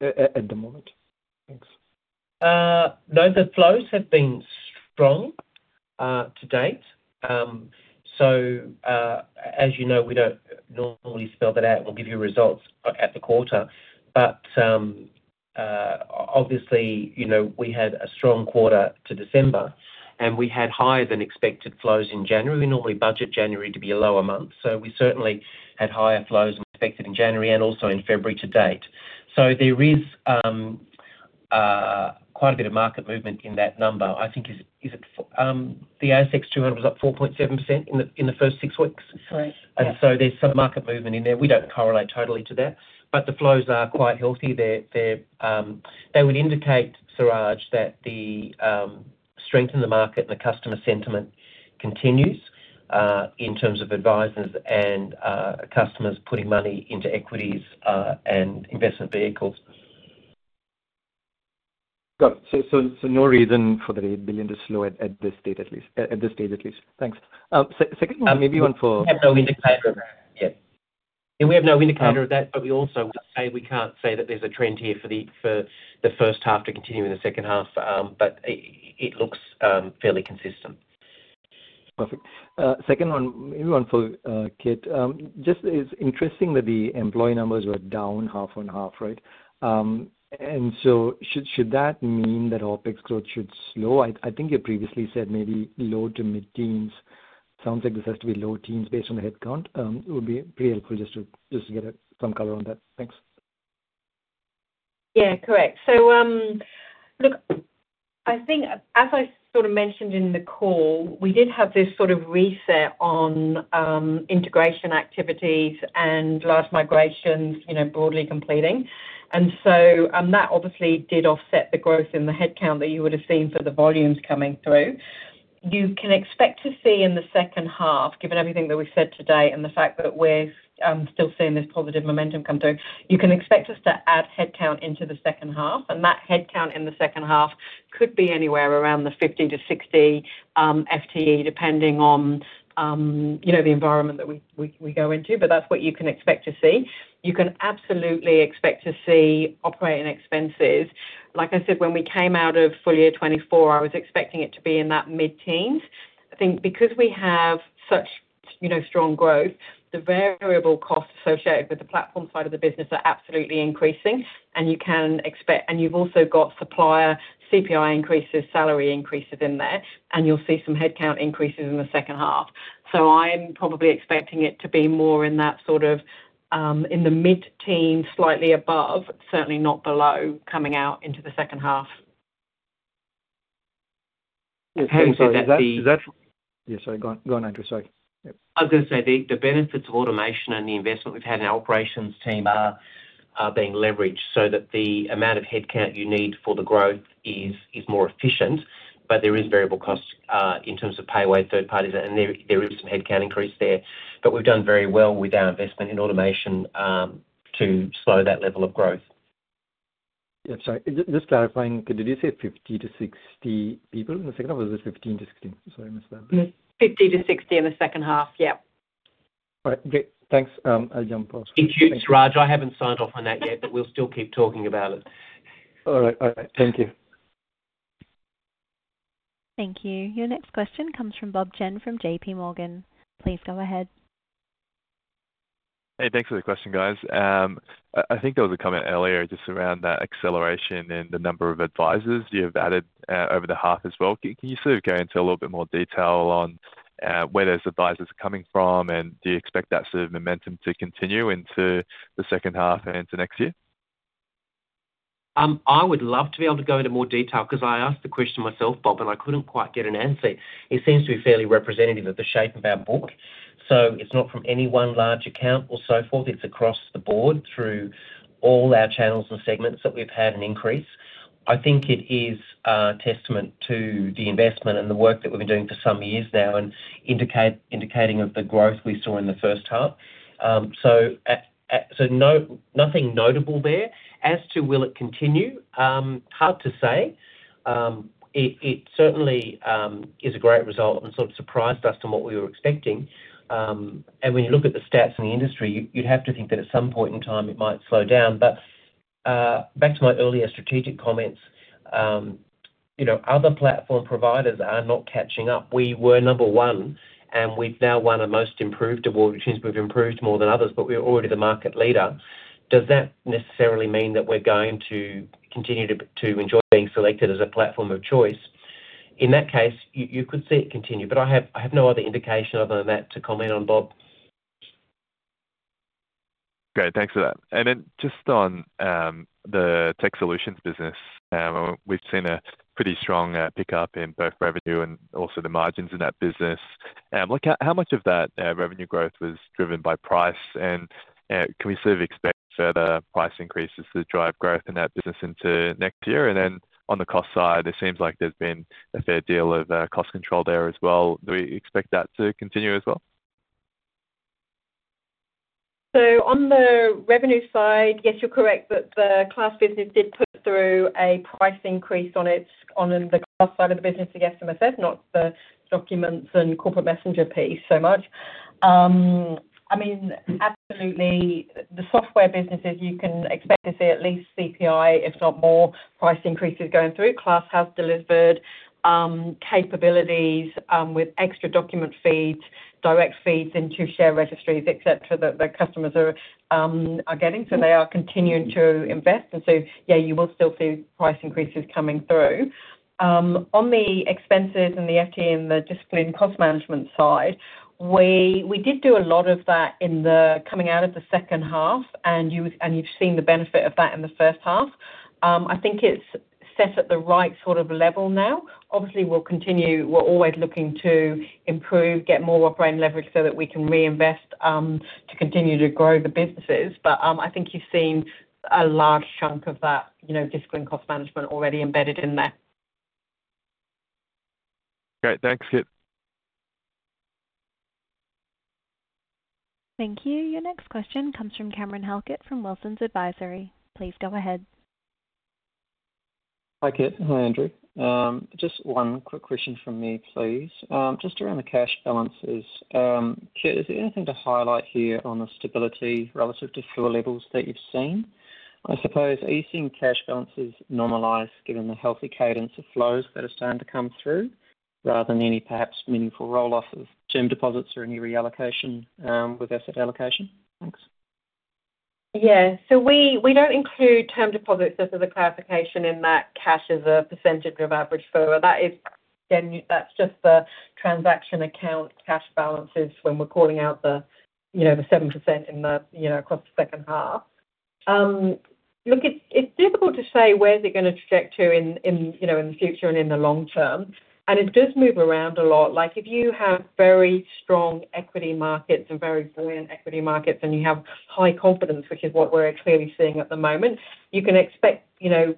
at the moment? Thanks. No, the flows have been strong to-date. So as you know, we don't normally spell that out and we'll give you results at the quarter. But obviously, we had a strong quarter to December, and we had higher-than-expected flows in January. We normally budget January to be a lower month. So we certainly had higher flows expected in January and also in February to-date. So there is quite a bit of market movement in that number. I think is it the ASX 200 was up 4.7% in the first six weeks? Correct. And so there's some market movement in there. We don't correlate totally to that, but the flows are quite healthy. They would indicate, Siraj, that the strength in the market and the customer sentiment continues in terms of advisors and customers putting money into equities and investment vehicles. Got it. So no reason for the $8 billion to slow at this stage at least. Thanks. Second one, maybe one for. We have no indicator of that. Yeah. We have no indicator of that, but we also would say we can't say that there's a trend here for the first half to continue in the second half, but it looks fairly consistent. Perfect. Second one, maybe one for Kit. Just it's interesting that the employee numbers were down half and half, right? And so should that mean that OpEx growth should slow? I think you previously said maybe low to mid-teens. Sounds like this has to be low teens based on the headcount. It would be pretty helpful just to get some color on that. Thanks. Yeah, correct. So look, I think as I sort of mentioned in the call, we did have this sort of reset on integration activities and large migrations broadly completing. And so that obviously did offset the growth in the headcount that you would have seen for the volumes coming through. You can expect to see in the second half, given everything that we've said today and the fact that we're still seeing this positive momentum come through, you can expect us to add headcount into the second half. And that headcount in the second half could be anywhere around the 50-60 FTE, depending on the environment that we go into. But that's what you can expect to see. You can absolutely expect to see operating expenses. Like I said, when we came out of full year 2024, I was expecting it to be in that mid-teens. I think because we have such strong growth, the variable costs associated with the platform side of the business are absolutely increasing. And you can expect and you've also got supplier CPI increases, salary increases in there, and you'll see some headcount increases in the second half. So I'm probably expecting it to be more in that sort of in the mid-teens, slightly above, certainly not below, coming out into the second half. Okay. So that's. Yeah, sorry. Go on, Andrew. Sorry. I was going to say the benefits of automation and the investment we've had in our operations team are being leveraged so that the amount of headcount you need for the growth is more efficient, but there is variable costs in terms of pay-away third parties, and there is some headcount increase there. But we've done very well with our investment in automation to slow that level of growth. Yeah. Sorry. Just clarifying, Kit, did you say 50-60 people in the second half or was it 15-16? Sorry, I missed that. 50-60 in the second half. Yeah. All right. Great. Thanks. I'll jump off. Thank you, Siraj. I haven't signed off on that yet, but we'll still keep talking about it. All right. All right. Thank you. Thank you. Your next question comes from Bob Chen from JPMorgan. Please go ahead. Hey, thanks for the question, guys. I think there was a comment earlier just around that acceleration in the number of advisors you have added over the half as well. Can you sort of go into a little bit more detail on where those advisors are coming from, and do you expect that sort of momentum to continue into the second half and into next year? I would love to be able to go into more detail because I asked the question myself, Bob, and I couldn't quite get an answer. It seems to be fairly representative of the shape of our board. So it's not from any one large account or so forth. It's across the board through all our channels and segments that we've had an increase. I think it is a testament to the investment and the work that we've been doing for some years now and indicative of the growth we saw in the first half. So nothing notable there. As to will it continue, hard to say. It certainly is a great result and sort of surprised us to what we were expecting. And when you look at the stats in the industry, you'd have to think that at some point in time, it might slow down. But back to my earlier strategic comments, other platform providers are not catching up. We were number one, and we've now won a most improved award, which means we've improved more than others, but we're already the market leader. Does that necessarily mean that we're going to continue to enjoy being selected as a platform of choice? In that case, you could see it continue, but I have no other indication other than that to comment on, Bob. Great. Thanks for that. And then just on the tech solutions business, we've seen a pretty strong pickup in both revenue and also the margins in that business. Look, how much of that revenue growth was driven by price? And can we sort of expect further price increases to drive growth in that business into next year? And then on the cost side, it seems like there's been a fair deal of cost control there as well. Do we expect that to continue as well? So on the revenue side, yes, you're correct that the Class business did put through a price increase on the Class side of the business, I guess, as I said, not the documents and Corporate Messenger piece so much. I mean, absolutely, the software businesses, you can expect to see at least CPI, if not more, price increases going through. Class has delivered capabilities with extra document feeds, direct feeds into share registries, etc., that the customers are getting. So they are continuing to invest. And so, yeah, you will still see price increases coming through. On the expenses and the FTE and the discipline cost management side, we did do a lot of that in the coming out of the second half, and you've seen the benefit of that in the first half. I think it's set at the right sort of level now. Obviously, we'll continue. We're always looking to improve, get more operating leverage so that we can reinvest to continue to grow the businesses. But I think you've seen a large chunk of that disciplined cost management already embedded in there. Great. Thanks, Kit. Thank you. Your next question comes from Cameron Halkett from Wilsons Advisory. Please go ahead. Hi, Kit. Hi, Andrew. Just one quick question from me, please. Just around the cash balances, Kit, is there anything to highlight here on the stability relative to floor levels that you've seen? I suppose, are you seeing cash balances normalize given the healthy cadence of flows that are starting to come through rather than any perhaps meaningful rolloff of term deposits or any reallocation with asset allocation? Thanks. Yeah. So we don't include term deposits as a classification in that cash as a percentage of average flow. That's just the transaction account cash balances when we're calling out the 7% across the second half. Look, it's difficult to say where it's going to project to in the future and in the long term, and it does move around a lot. If you have very strong equity markets and very buoyant equity markets and you have high confidence, which is what we're clearly seeing at the moment, you can expect the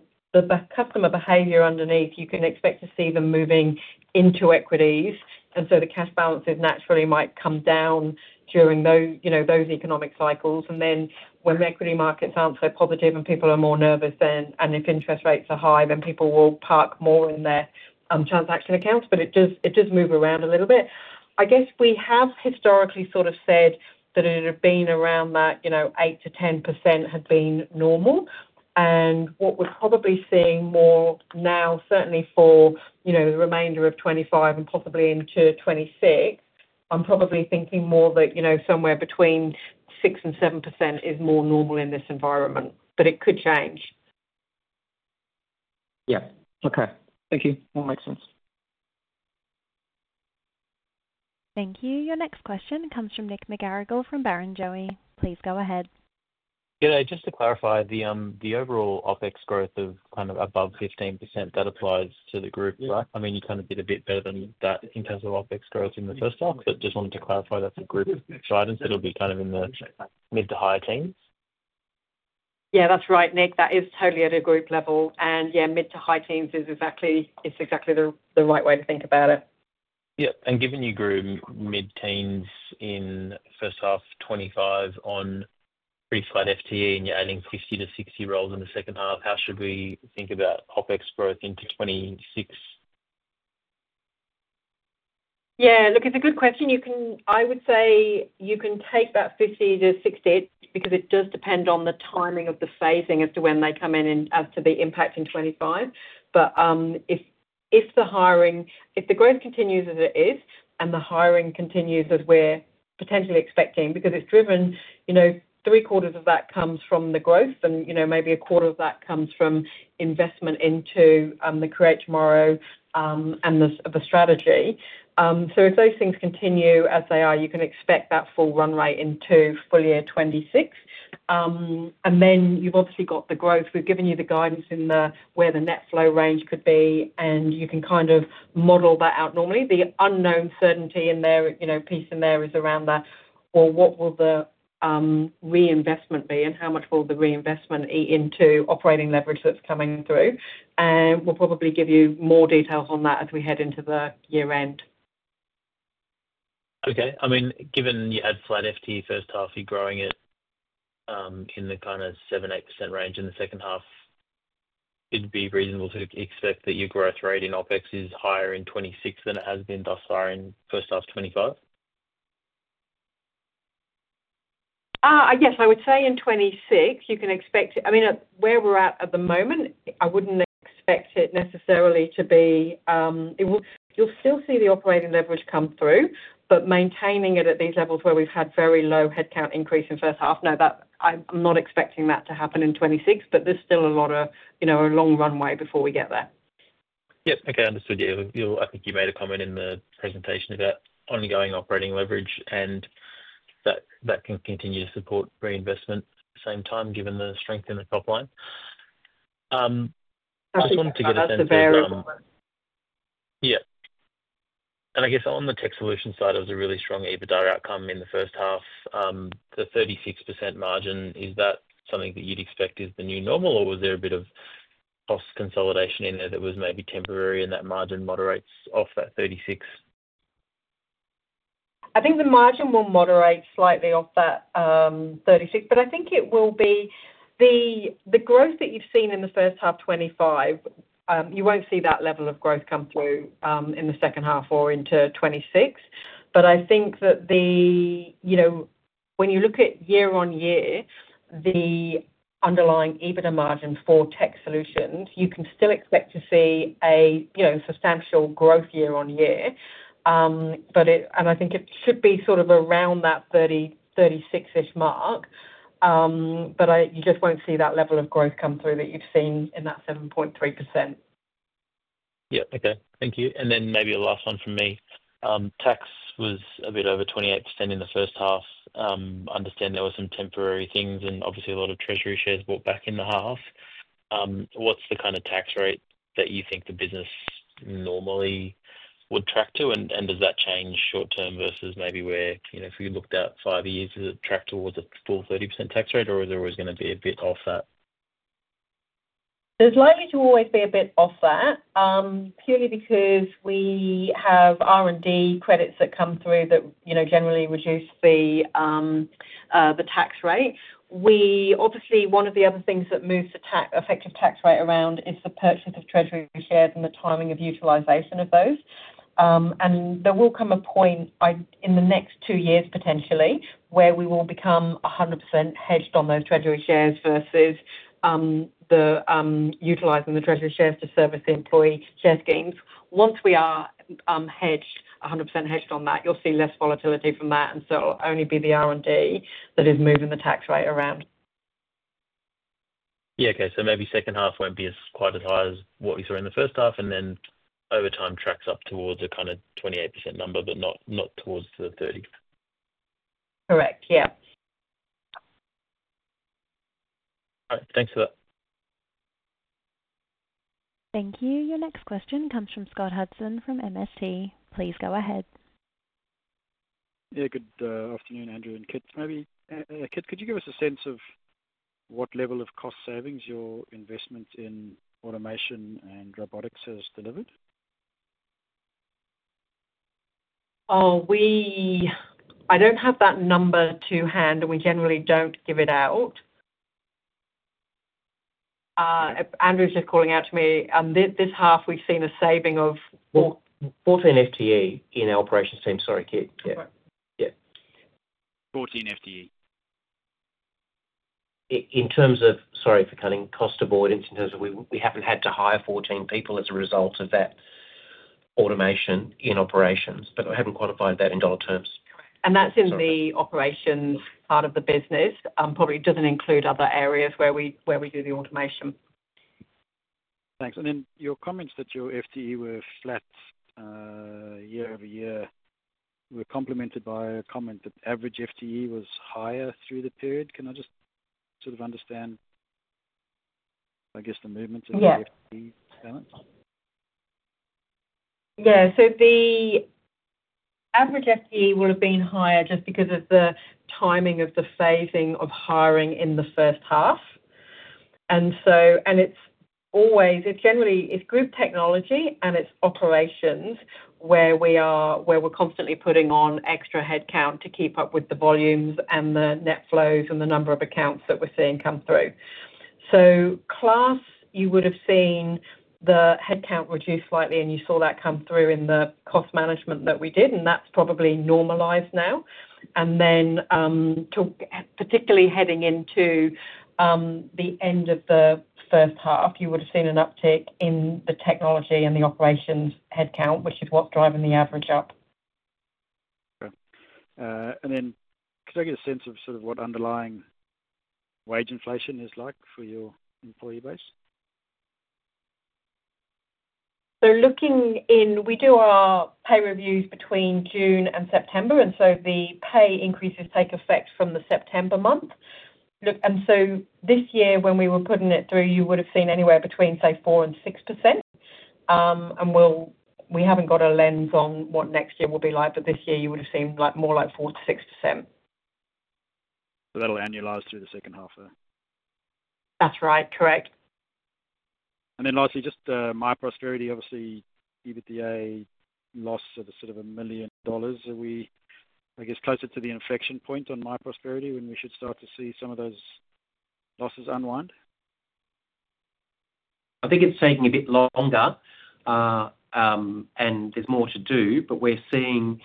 customer behavior underneath. You can expect to see them moving into equities, and so the cash balances naturally might come down during those economic cycles, and then when the equity markets aren't so positive and people are more nervous, and if interest rates are high, then people will park more in their transaction accounts, but it does move around a little bit. I guess we have historically sort of said that it had been around that 8-10% had been normal. And what we're probably seeing more now, certainly for the remainder of 2025 and possibly into 2026, I'm probably thinking more that somewhere between 6% and 7% is more normal in this environment, but it could change. Yeah. Okay. Thank you. That makes sense. Thank you. Your next question comes from Nick McGarrigle from Barrenjoey. Please go ahead. Yeah. Just to clarify, the overall OPEX growth of kind of above 15%, that applies to the group, right? I mean, you kind of did a bit better than that in terms of OPEX growth in the first half, but just wanted to clarify that's a group side. And so it'll be kind of in the mid to high teens. Yeah, that's right, Nick. That is totally at a group level. And yeah, mid- to high-teens is exactly the right way to think about it. Yeah. And given you grew mid-teens in first half 2025 on pretty flat FTE and you're adding 50-60 roles in the second half, how should we think about OpEx growth into 2026? Yeah. Look, it's a good question. I would say you can take that 50-60 because it does depend on the timing of the phasing as to when they come in and as to the impact in 2025. But if the growth continues as it is and the hiring continues as we're potentially expecting because it's driven, three-quarters of that comes from the growth and maybe a quarter of that comes from investment into the Create Tomorrow and the strategy. So if those things continue as they are, you can expect that full run rate into full year 2026. And then you've obviously got the growth. We've given you the guidance in where the net flow range could be, and you can kind of model that out normally. The only uncertainty in there, the piece in there, is around that: what will the reinvestment be and how much will the reinvestment eat into operating leverage that's coming through? And we'll probably give you more details on that as we head into the year-end. Okay. I mean, given you had flat FTE first half, you're growing it in the kind of 7-8% range in the second half, it'd be reasonable to expect that your growth rate in OpEx is higher in 2026 than it has been thus far in first half 2025? Yes, I would say in 2026, you can expect it. I mean, where we're at at the moment, I wouldn't expect it necessarily to be you'll still see the operating leverage come through, but maintaining it at these levels where we've had very low headcount increase in first half, no, I'm not expecting that to happen in 2026, but there's still a lot of a long runway before we get there. Yes. Okay. Understood. Yeah. I think you made a comment in the presentation about ongoing operating leverage and that can continue to support reinvestment at the same time given the strength in the top line. I just wanted to get a sense of. Yeah. And I guess on the tech solution side, there was a really strong EBITDA outcome in the first half. The 36% margin, is that something that you'd expect is the new normal, or was there a bit of cost consolidation in there that was maybe temporary and that margin moderates off that 36? I think the margin will moderate slightly off that 36, but I think it will be the growth that you've seen in the first half 2025, you won't see that level of growth come through in the second half or into 2026. But I think that when you look at year-on-year, the underlying EBITDA margin for tech solutions, you can still expect to see a substantial growth year-on-year. And I think it should be sort of around that 36-ish mark, but you just won't see that level of growth come through that you've seen in that 7.3%. Yeah. Okay. Thank you. And then maybe a last one from me. Tax was a bit over 28% in the first half. I understand there were some temporary things and obviously a lot of treasury shares bought back in the half. What's the kind of tax rate that you think the business normally would track to, and does that change short-term versus maybe where if we looked at five years, does it track towards a full 30% tax rate, or is it always going to be a bit off that? There's likely to always be a bit off that purely because we have R&D credits that come through that generally reduce the tax rate. Obviously, one of the other things that moves the effective tax rate around is the purchase of treasury shares and the timing of utilization of those. And there will come a point in the next two years potentially where we will become 100% hedged on those treasury shares versus utilizing the treasury shares to service the employee share schemes. Once we are 100% hedged on that, you'll see less volatility from that, and so it'll only be the R&D that is moving the tax rate around. Yeah. Okay. So maybe second half won't be quite as high as what we saw in the first half, and then over time tracks up towards a kind of 28% number, but not towards the 30%. Correct. Yeah. All right. Thanks for that. Thank you. Your next question comes from Scott Hudson from MST. Please go ahead. Yeah. Good afternoon, Andrew and Kit, maybe. Kit, could you give us a sense of what level of cost savings your investment in automation and robotics has delivered? I don't have that number to hand, and we generally don't give it out. Andrew's just calling out to me. This half, we've seen a saving of 14 FTE in our operations team. Sorry, Kit. Yeah. 14 FTE. In terms of, sorry for cutting, cost avoidance in terms of we haven't had to hire 14 people as a result of that automation in operations, but I haven't quantified that in dollar terms. And that's in the operations part of the business. Probably doesn't include other areas where we do the automation. Thanks. And then your comments that your FTE were flat year-over-year were complemented by a comment that average FTE was higher through the period. Can I just sort of understand, I guess, the movements of the FTE balance? Yeah. The average FTE will have been higher just because of the timing of the phasing of hiring in the first half. And it's generally, it's group technology, and it's operations where we're constantly putting on extra headcount to keep up with the volumes and the net flows and the number of accounts that we're seeing come through. So Class, you would have seen the headcount reduce slightly, and you saw that come through in the cost management that we did, and that's probably normalized now. And then particularly heading into the end of the first half, you would have seen an uptick in the technology and the operations headcount, which is what's driving the average up. Okay. And then could I get a sense of sort of what underlying wage inflation is like for your employee base? So looking in, we do our pay reviews between June and September, and so the pay increases take effect from the September month. And so this year, when we were putting it through, you would have seen anywhere between, say, 4% and 6%. And we haven't got a lens on what next year will be like, but this year, you would have seen more like 4%-6%. So that'll annualize through the second half there. That's right. Correct. And then lastly, just myprosperity, obviously, EBITDA loss of sort of 1 million dollars. Are we, I guess, closer to the inflection point on myprosperity when we should start to see some of those losses unwind? I think it's taking a bit longer, and there's more to do, but we're seeing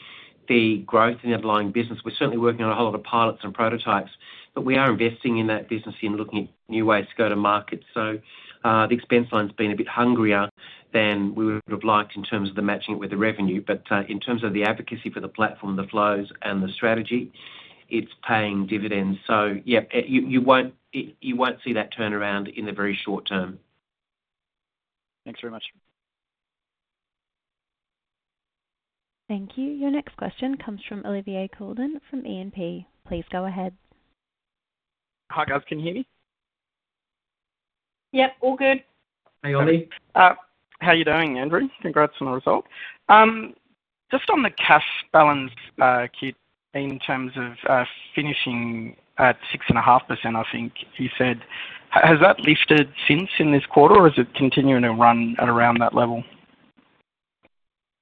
the growth in the underlying business. We're certainly working on a whole lot of pilots and prototypes, but we are investing in that business and looking at new ways to go to market. So the expense line's been a bit hungrier than we would have liked in terms of the matching it with the revenue. But in terms of the advocacy for the platform, the flows, and the strategy, it's paying dividends. So yeah, you won't see that turnaround in the very short term. Thanks very much. Thank you. Your next question comes from Olivier Coulon from E&P. Please go ahead. Hi, guys. Can you hear me? Yep. All good. Hey, Ollie. How are you doing, Andrew? Congrats on the result. Just on the cash balance, Kit, in terms of finishing at 6.5%, I think you said, has that lifted since in this quarter, or is it continuing to run at around that level?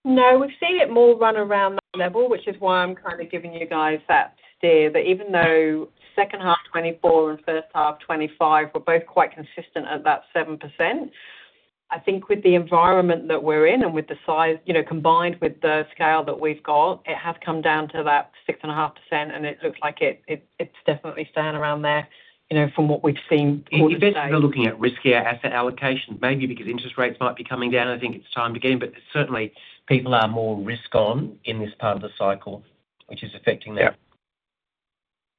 No, we've seen it hover around that level, which is why I'm kind of giving you guys that stare. But even though second half 2024 and first half 2025 were both quite consistent at that 7%, I think with the environment that we're in and with the size combined with the scale that we've got, it has come down to that 6.5%, and it looks like it's definitely staying around there from what we've seen in the stats. You're basically looking at riskier asset allocation, maybe because interest rates might be coming down. I think it's time to get in, but certainly, people are more risk-on in this part of the cycle, which is affecting that.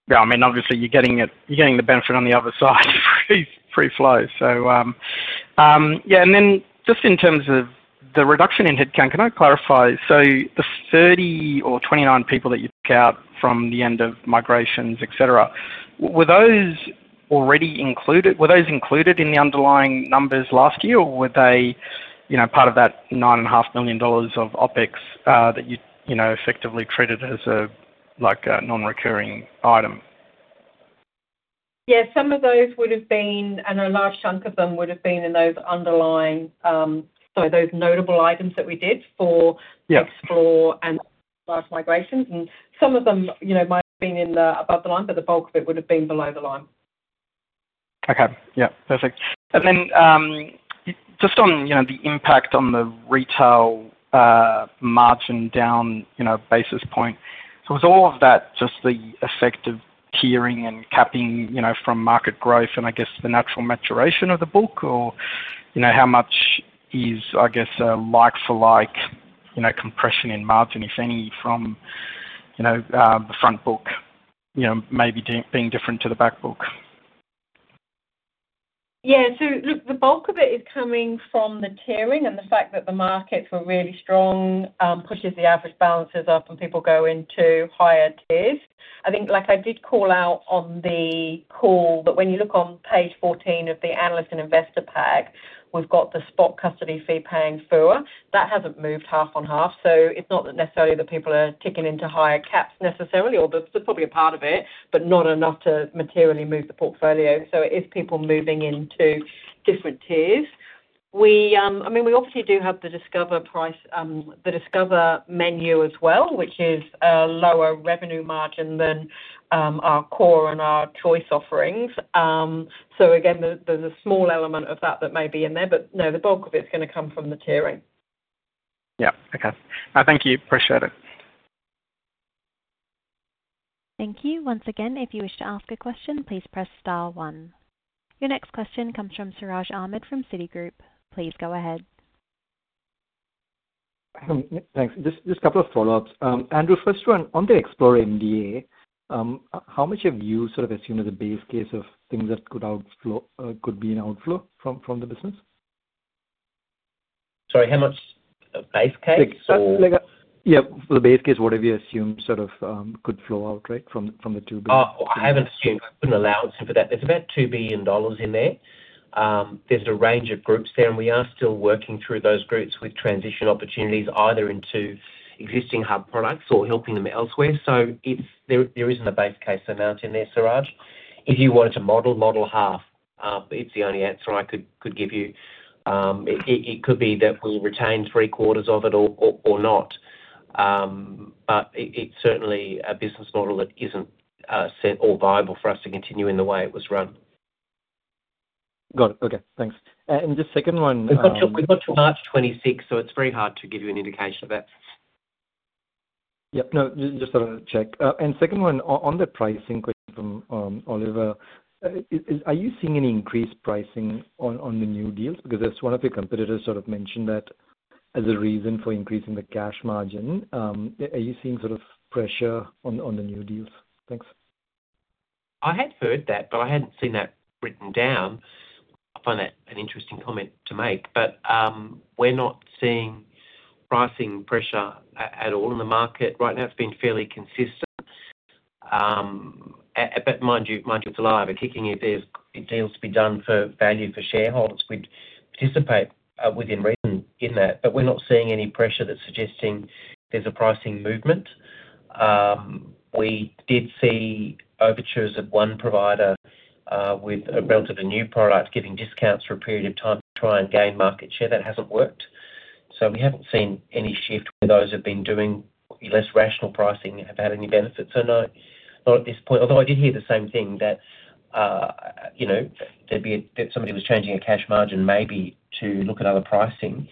Yeah. Yeah. I mean, obviously, you're getting the benefit on the other side through flow. So yeah. And then just in terms of the reduction in headcount, can I clarify? So the 30 or 29 people that you took out from the end of migrations, etc., were those already included? Were those included in the underlying numbers last year, or were they part of that 9.5 million dollars of OpEx that you effectively treated as a non-recurring item? Yeah. Some of those would have been, and a large chunk of them would have been in those underlying sorry, those notable items that we did for Xplore and large migrations. And some of them might have been above the line, but the bulk of it would have been below the line. Okay. Yeah. Perfect. And then just on the impact on the retail margin down basis point, so was all of that just the effect of tiering and capping from market growth and, I guess, the natural maturation of the book, or how much is, I guess, a like-for-like compression in margin, if any, from the front book maybe being different to the back book? Yeah. So look, the bulk of it is coming from the tiering, and the fact that the markets were really strong pushes the average balances up, and people go into higher tiers. I think I did call out on the call that when you look on page 14 of the analyst and investor pack, we've got the spot custody fee paying FUA. That hasn't moved half on half. So it's not necessarily that people are ticking into higher caps necessarily, or there's probably a part of it, but not enough to materially move the portfolio. So it is people moving into different tiers. I mean, we obviously do have the Discover menu as well, which is a lower revenue margin than our core and our choice offerings. So again, there's a small element of that that may be in there, but no, the bulk of it's going to come from the tiering. Yeah. Okay. Thank you. Appreciate it. Thank you. Once again, if you wish to ask a question, please press star one. Your next question comes from Siraj Ahmed from Citigroup. Please go ahead. Thanks. Just a couple of follow-ups. Andrew, first one, on the Xplore MDA, how much have you sort of assumed as a base case of things that could be an outflow from the business? Sorry, how much base case? Yeah. For the base case, what have you assumed sort of could flow out, right, from the two billion? I haven't assumed. I couldn't allow for that. There's about 2 billion dollars in there. There's a range of groups there, and we are still working through those groups with transition opportunities either into existing hub products or helping them elsewhere. So there isn't a base case amount in there, Siraj. If you wanted to model, model half, it's the only answer I could give you. It could be that we retain three quarters of it or not, but it's certainly a business model that isn't set or viable for us to continue in the way it was run. Got it. Okay. Thanks. And just second one. We've got to March 26, so it's very hard to give you an indication of that. Yep. No, just wanted to check. And second one, on the pricing question from Olivier, are you seeing any increased pricing on the new deals? Because one of your competitors sort of mentioned that as a reason for increasing the cash margin. Are you seeing sort of pressure on the new deals? Thanks. I had heard that, but I hadn't seen that written down. I find that an interesting comment to make, but we're not seeing pricing pressure at all in the market. Right now, it's been fairly consistent. But mind you, it's alive and kicking. If there's deals to be done for value for shareholders, we'd participate within reason in that, but we're not seeing any pressure that's suggesting there's a pricing movement. We did see overtures of one provider with a relatively new product giving discounts for a period of time to try and gain market share. That hasn't worked. So we haven't seen any shift where those have been doing less rational pricing have had any benefit. So no, not at this point. Although I did hear the same thing, that there'd be somebody who was changing a cash margin maybe to look at other pricing,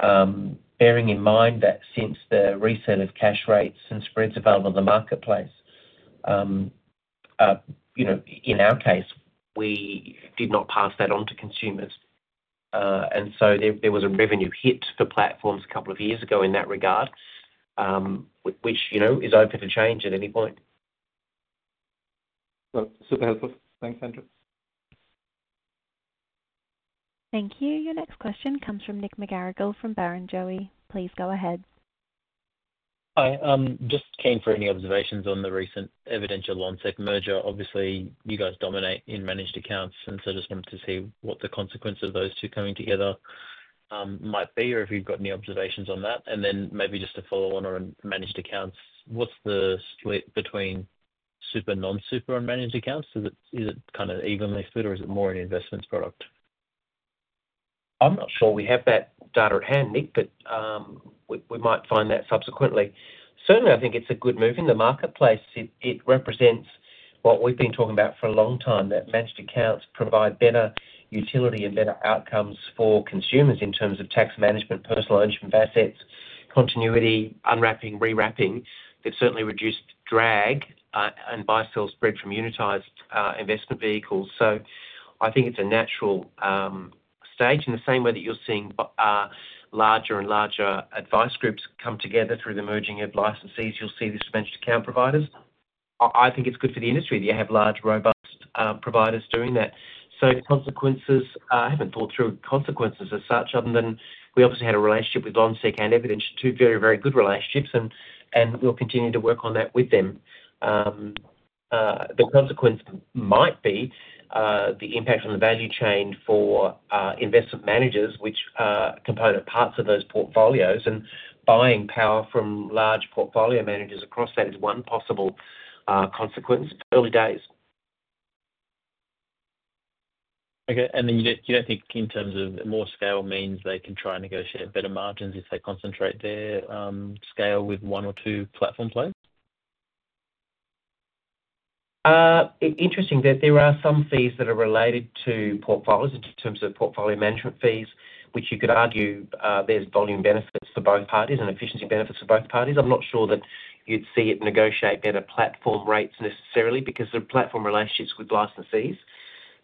bearing in mind that since the reset of cash rates and spreads available in the marketplace, in our case, we did not pass that on to consumers. And so there was a revenue hit for platforms a couple of years ago in that regard, which is open to change at any point. Well, super helpful. Thanks, Andrew. Thank you. Your next question comes from Nick McGarrigle from Barrenjoey. Please go ahead. Hi. Just keen for any observations on the recent Evidentia-Lonsec merger. Obviously, you guys dominate in managed accounts, and so I just wanted to see what the consequence of those two coming together might be or if you've got any observations on that. And then maybe just to follow on on managed accounts, what's the split between super non-super on managed accounts? Is it kind of evenly split, or is it more an investment product? I'm not sure we have that data at hand, Nick, but we might find that subsequently. Certainly, I think it's a good move in the marketplace. It represents what we've been talking about for a long time, that managed accounts provide better utility and better outcomes for consumers in terms of tax management, personal ownership of assets, continuity, unwrapping, rewrapping. They've certainly reduced drag and buy-sell spread from unitized investment vehicles. So I think it's a natural stage in the same way that you're seeing larger and larger advice groups come together through the merging of licensees. You'll see this with managed account providers. I think it's good for the industry that you have large, robust providers doing that. So I haven't thought through consequences as such other than we obviously had a relationship with Lonsec and Evidentia, two very, very good relationships, and we'll continue to work on that with them. The consequence might be the impact on the value chain for investment managers, which are component parts of those portfolios, and buying power from large portfolio managers across that is one possible consequence. Early days. Okay. And then you don't think in terms of more scale means they can try and negotiate better margins if they concentrate their scale with one or two platform players? Interesting that there are some fees that are related to portfolios in terms of portfolio management fees, which you could argue there's volume benefits for both parties and efficiency benefits for both parties. I'm not sure that you'd see it negotiate better platform rates necessarily because the platform relationships with licensees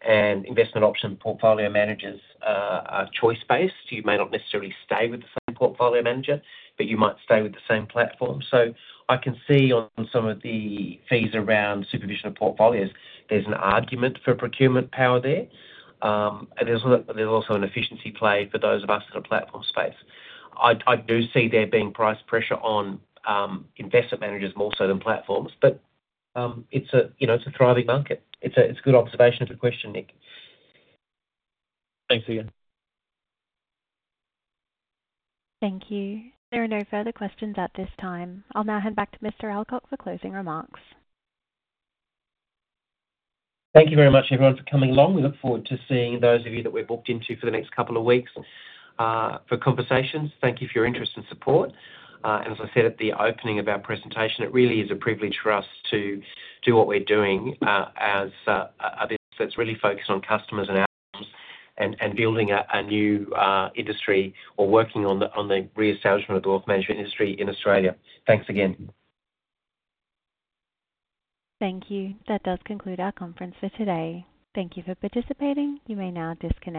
and investment option portfolio managers are choice-based. You may not necessarily stay with the same portfolio manager, but you might stay with the same platform. So I can see on some of the fees around supervision of portfolios, there's an argument for procurement power there. There's also an efficiency play for those of us in a platform space. I do see there being price pressure on investment managers more so than platforms, but it's a thriving market. It's a good observation of the question, Nick. Thanks again. Thank you. There are no further questions at this time. I'll now hand back to Mr. Alcock for closing remarks. Thank you very much, everyone, for coming along. We look forward to seeing those of you that we've booked into for the next couple of weeks for conversations. Thank you for your interest and support. And as I said at the opening of our presentation, it really is a privilege for us to do what we're doing as a business that's really focused on customers and outcomes and building a new industry or working on the reestablishment of the wealth management industry in Australia. Thanks again. Thank you. That does conclude our conference for today. Thank you for participating. You may now disconnect.